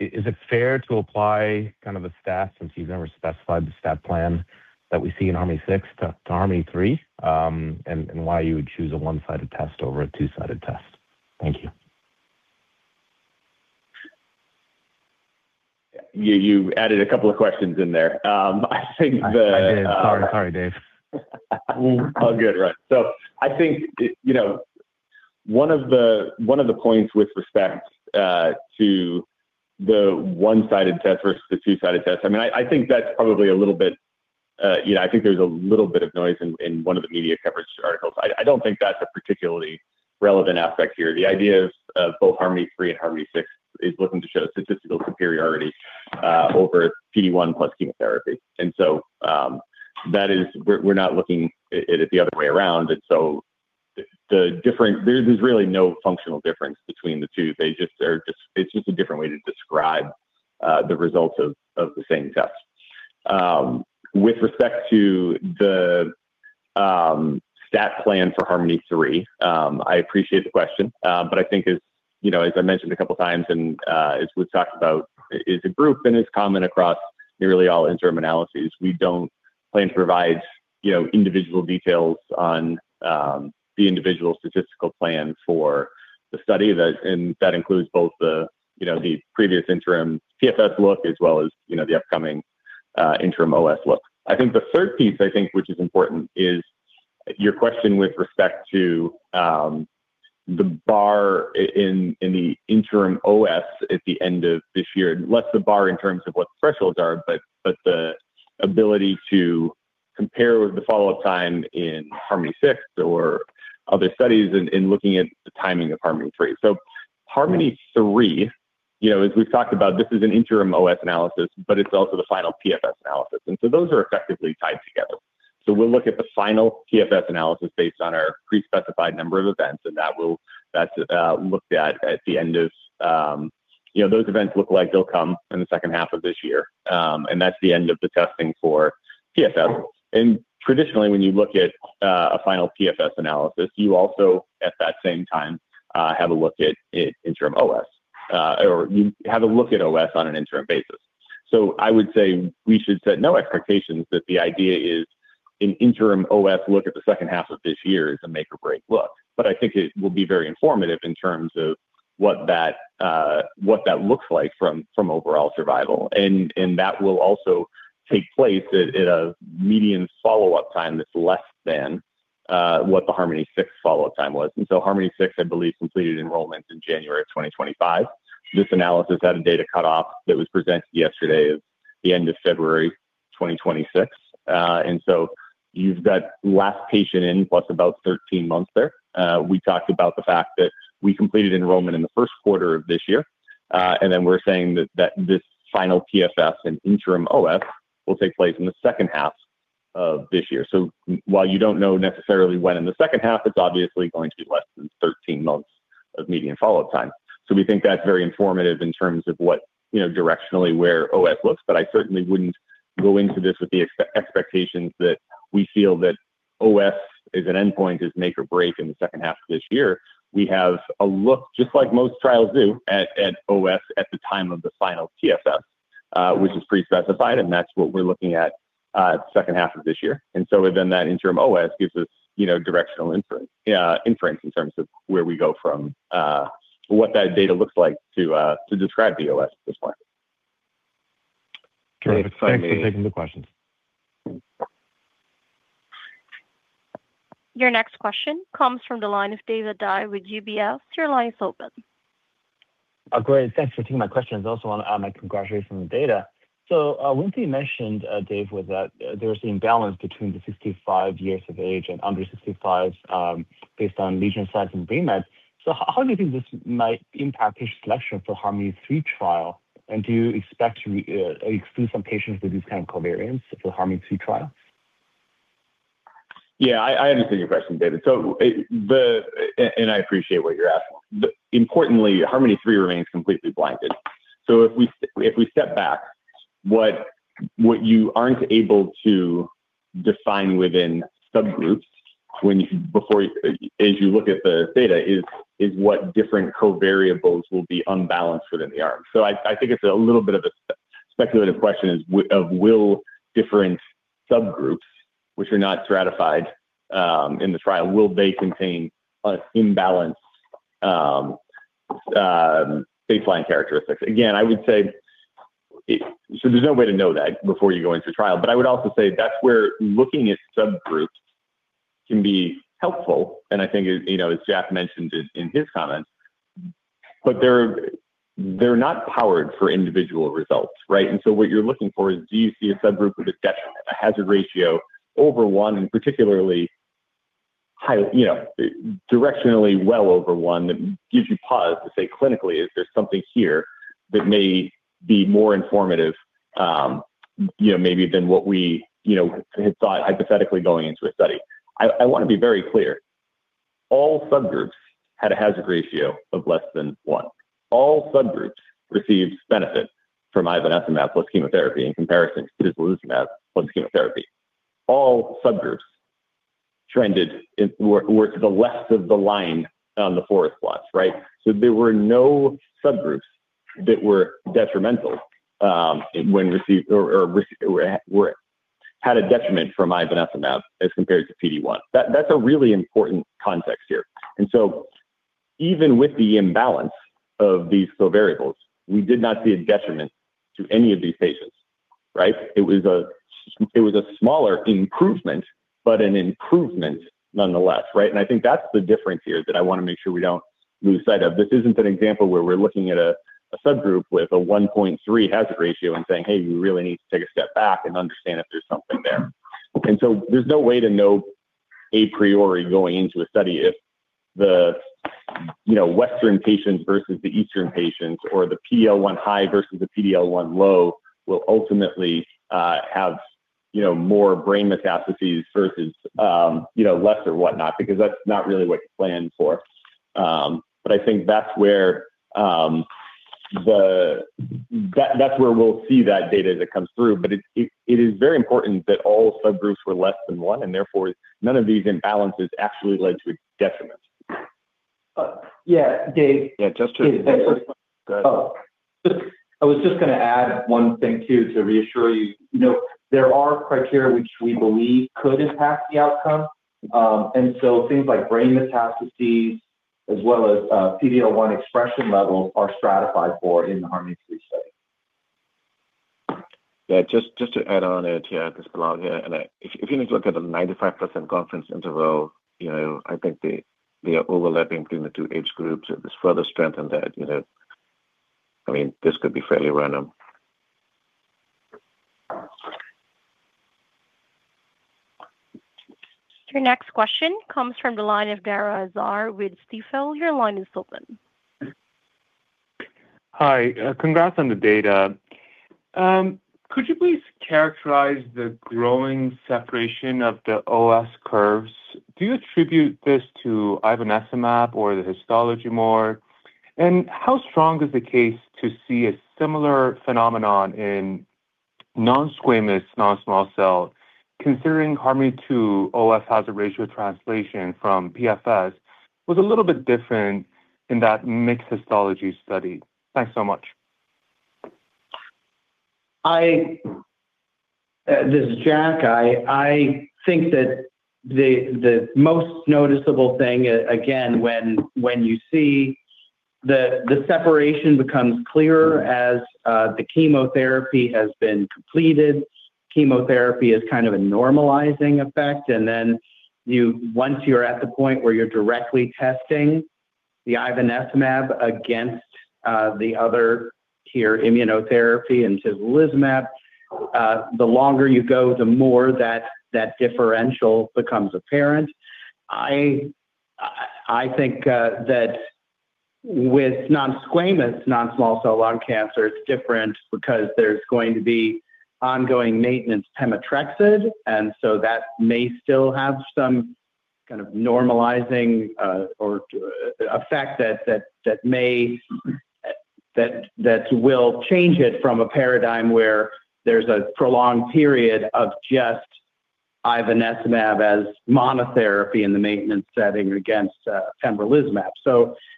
Is it fair to apply the stat, since you've never specified the stat plan that we see in HARMONi-6 to HARMONi-3? Why you would choose a one-sided test over a two-sided test? Thank you. You added a couple of questions in there. I did. Sorry, Dave. All good. Right. I think one of the points with respect to the one-sided test versus the two-sided test, I think there's a little bit of noise in one of the media coverage articles. I don't think that's a particularly relevant aspect here. The idea of both HARMONi-3 and HARMONi-6 is looking to show statistical superiority over PD-1 plus chemotherapy. We're not looking at it the other way around. There's really no functional difference between the two. It's just a different way to describe the results of the same test. With respect to the stat plan for HARMONi-3, I appreciate the question, but I think as I mentioned a couple of times, and as we've talked about, is a group and is common across nearly all interim analyses. We don't plan to provide individual details on the individual statistical plan for the study. That includes both the previous interim PFS look as well as the upcoming interim OS look. I think the third piece, which is important is your question with respect to the bar in the interim OS at the end of this year, less the bar in terms of what the thresholds are, but the ability to compare the follow-up time in HARMONi-6 or other studies in looking at the timing of HARMONi-3. HARMONi-3, as we've talked about, this is an interim OS analysis, but it's also the final PFS analysis. Those are effectively tied together. We'll look at the final PFS analysis based on our pre-specified number of events. Those events look like they'll come in the second half of this year, and that's the end of the testing for PFS. Traditionally, when you look at a final PFS analysis, you also, at that same time, have a look at interim OS, or you have a look at OS on an interim basis. I would say we should set no expectations that the idea is an interim OS look at the second half of this year is a make or break look. I think it will be very informative in terms of what that looks like from overall survival. That will also take place at a median follow-up time that's less than what the HARMONi-06 follow-up time was. HARMONi-06, I believe, completed enrollment in January 2025. This analysis had a data cutoff that was presented yesterday of the end of February 2026. You've got last patient in plus about 13 months there. We talked about the fact that we completed enrollment in the first quarter of this year, and then we're saying that this final PFS and interim OS will take place in the second half of this year. While you don't know necessarily when in the second half, it's obviously going to be less than 13 months of median follow-up time. We think that's very informative in terms of directionally where OS looks, but I certainly wouldn't go into this with the expectations that we feel that OS as an endpoint is make or break in the second half of this year. We have a look, just like most trials do, at OS at the time of the final PFS, which is pre-specified, and that's what we're looking at second half of this year. Within that interim OS gives us directional inference in terms of where we go from what that data looks like to describe the OS at this point. Great. Thanks for taking the questions. Your next question comes from the line of David Dai with UBS. Your line is open. Great. Thanks for taking my questions. I also want to add my congratulations on the data. One thing you mentioned, Dave, was that there's imbalance between the 65 years of age and under 65 based on lesion size and brain mets. How do you think this might impact patient selection for HARMONi-3 trial? Do you expect to exclude some patients with these kind of covariates for the HARMONi-2 trial? Yeah, I understand your question, David. I appreciate what you're asking. Importantly, HARMONi-3 remains completely blinded. If we step back, what you aren't able to define within subgroups as you look at the data is what different covariates will be unbalanced within the arms. I think it's a little bit of a speculative question of will different subgroups, which are not stratified in the trial, will they contain an imbalanced baseline characteristics? Again, I would say there's no way to know that before you go into trial. I would also say that's where looking at subgroups can be helpful, and I think as Jack mentioned in his comments. They're not powered for individual results, right? What you're looking for is do you see a subgroup with a detriment, a hazard ratio over one, and particularly directionally well over one that gives you pause to say clinically, is there something here that may be more informative maybe than what we had thought hypothetically going into a study? I want to be very clear. All subgroups had a hazard ratio of less than one. All subgroups received benefit from ivonescimab plus chemotherapy in comparison to pembrolizumab plus chemotherapy. All subgroups were to the left of the line on the forest plots, right? There were no subgroups that were detrimental or had a detriment from ivonescimab as compared to PD-1. That's a really important context here. Even with the imbalance of these covariates, we did not see a detriment to any of these patients, right? It was a smaller improvement, but an improvement nonetheless, right? I think that's the difference here that I want to make sure we don't lose sight of. This isn't an example where we're looking at a subgroup with a 1.3 hazard ratio and saying, "Hey, we really need to take a step back and understand if there's something there." There's no way to know a priori going into a study if the Western patients versus the Eastern patients or the PD-L1 high versus the PD-L1 low will ultimately have more brain metastases versus less or whatnot, because that's not really what you plan for. I think that's where we'll see that data as it comes through. It is very important that all subgroups were less than one, and therefore none of these imbalances actually led to a detriment. Yeah, Dave. Yeah. Dave. Go ahead. I was just going to add one thing, too, to reassure you. There are criteria which we believe could impact the outcome. Things like brain metastases as well as PD-L1 expression levels are stratified for in the HARMONi-3 study. Yeah, just to add on it here, this is Bilal here. If you need to look at the 95% confidence interval, I think they are overlapping between the two age groups. It just further strengthen that. This could be fairly random. Your next question comes from the line of Dara Azar with Stifel. Your line is open. Hi. Congrats on the data. Could you please characterize the growing separation of the OS curves? Do you attribute this to ivonescimab or the histology more? How strong is the case to see a similar phenomenon in non-squamous, non-small cell, considering HARMONi-2 OS hazard ratio translation from PFS was a little bit different in that mixed histology study? Thanks so much. This is Jack. I think that the most noticeable thing, again, when you see the separation becomes clearer as the chemotherapy has been completed. Chemotherapy is kind of a normalizing effect. Once you're at the point where you're directly testing the ivonescimab against the other tier immunotherapy and pembrolizumab, the longer you go, the more that differential becomes apparent. I think that with non-squamous, non-small cell lung cancer, it's different because there's going to be ongoing maintenance pemetrexed, and so that may still have some kind of normalizing or effect that will change it from a paradigm where there's a prolonged period of just ivonescimab as monotherapy in the maintenance setting against pembrolizumab.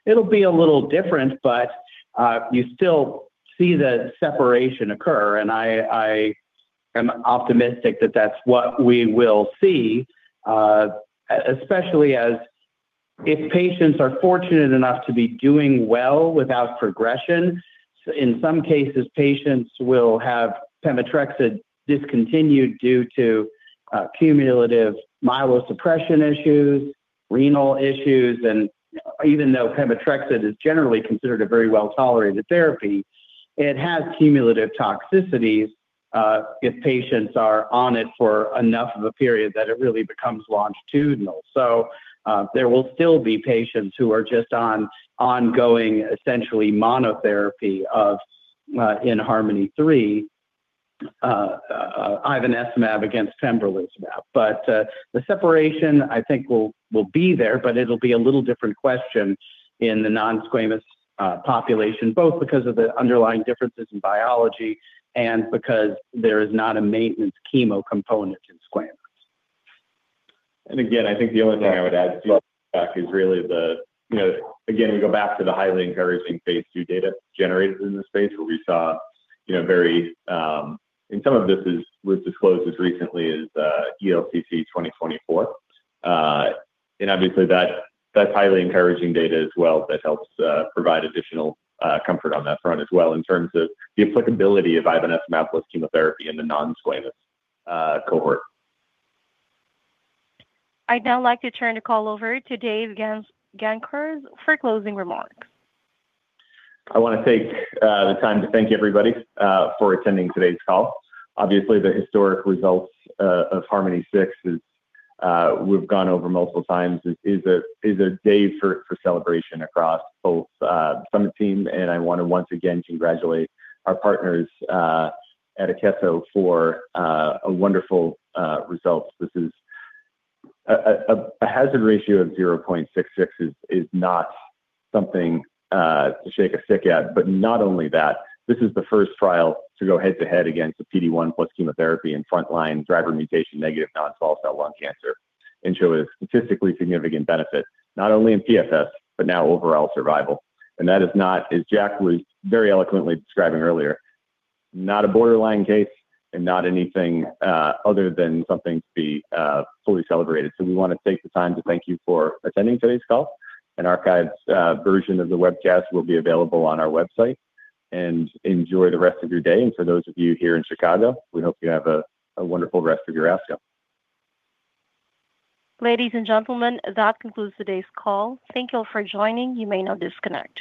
It'll be a little different, but you still see the separation occur, and I am optimistic that that's what we will see, especially as if patients are fortunate enough to be doing well without progression. In some cases, patients will have pemetrexed discontinued due to cumulative myelosuppression issues renal issues. Even though pemetrexed is generally considered a very well-tolerated therapy, it has cumulative toxicities if patients are on it for enough of a period that it really becomes longitudinal. There will still be patients who are just on ongoing, essentially monotherapy in HARMONi-3, ivonescimab against pembrolizumab. The separation I think will be there, but it'll be a little different question in the non-squamous population, both because of the underlying differences in biology and because there is not a maintenance chemo component in squamous. Again, I think the only thing I would add to that is really the, again, you go back to the highly encouraging phase II data generated in this phase where we saw very some of this was disclosed as recently as ELCC 2024. obviously that's highly encouraging data as well that helps provide additional comfort on that front as well in terms of the applicability of ivonescimab plus chemotherapy in the non-squamous cohort. I'd now like to turn the call over to Dave Gancarz for closing remarks. I want to take the time to thank everybody for attending today's call. Obviously, the historic results of HARMONi-6, as we've gone over multiple times, is a day for celebration across both Summit team. I want to once again congratulate our partners at Akeso for a wonderful result. A hazard ratio of 0.66 is not something to shake a stick at. Not only that, this is the first trial to go head-to-head against a PD-1 plus chemotherapy in frontline driver mutation negative non-small cell lung cancer and show a statistically significant benefit, not only in PFS, but now overall survival. That is not, as Jack was very eloquently describing earlier, not a borderline case and not anything other than something to be fully celebrated. We want to take the time to thank you for attending today's call. An archived version of the webcast will be available on our website. Enjoy the rest of your day. For those of you here in Chicago, we hope you have a wonderful rest of your ASCO. Ladies and gentlemen, that concludes today's call. Thank you all for joining. You may now disconnect.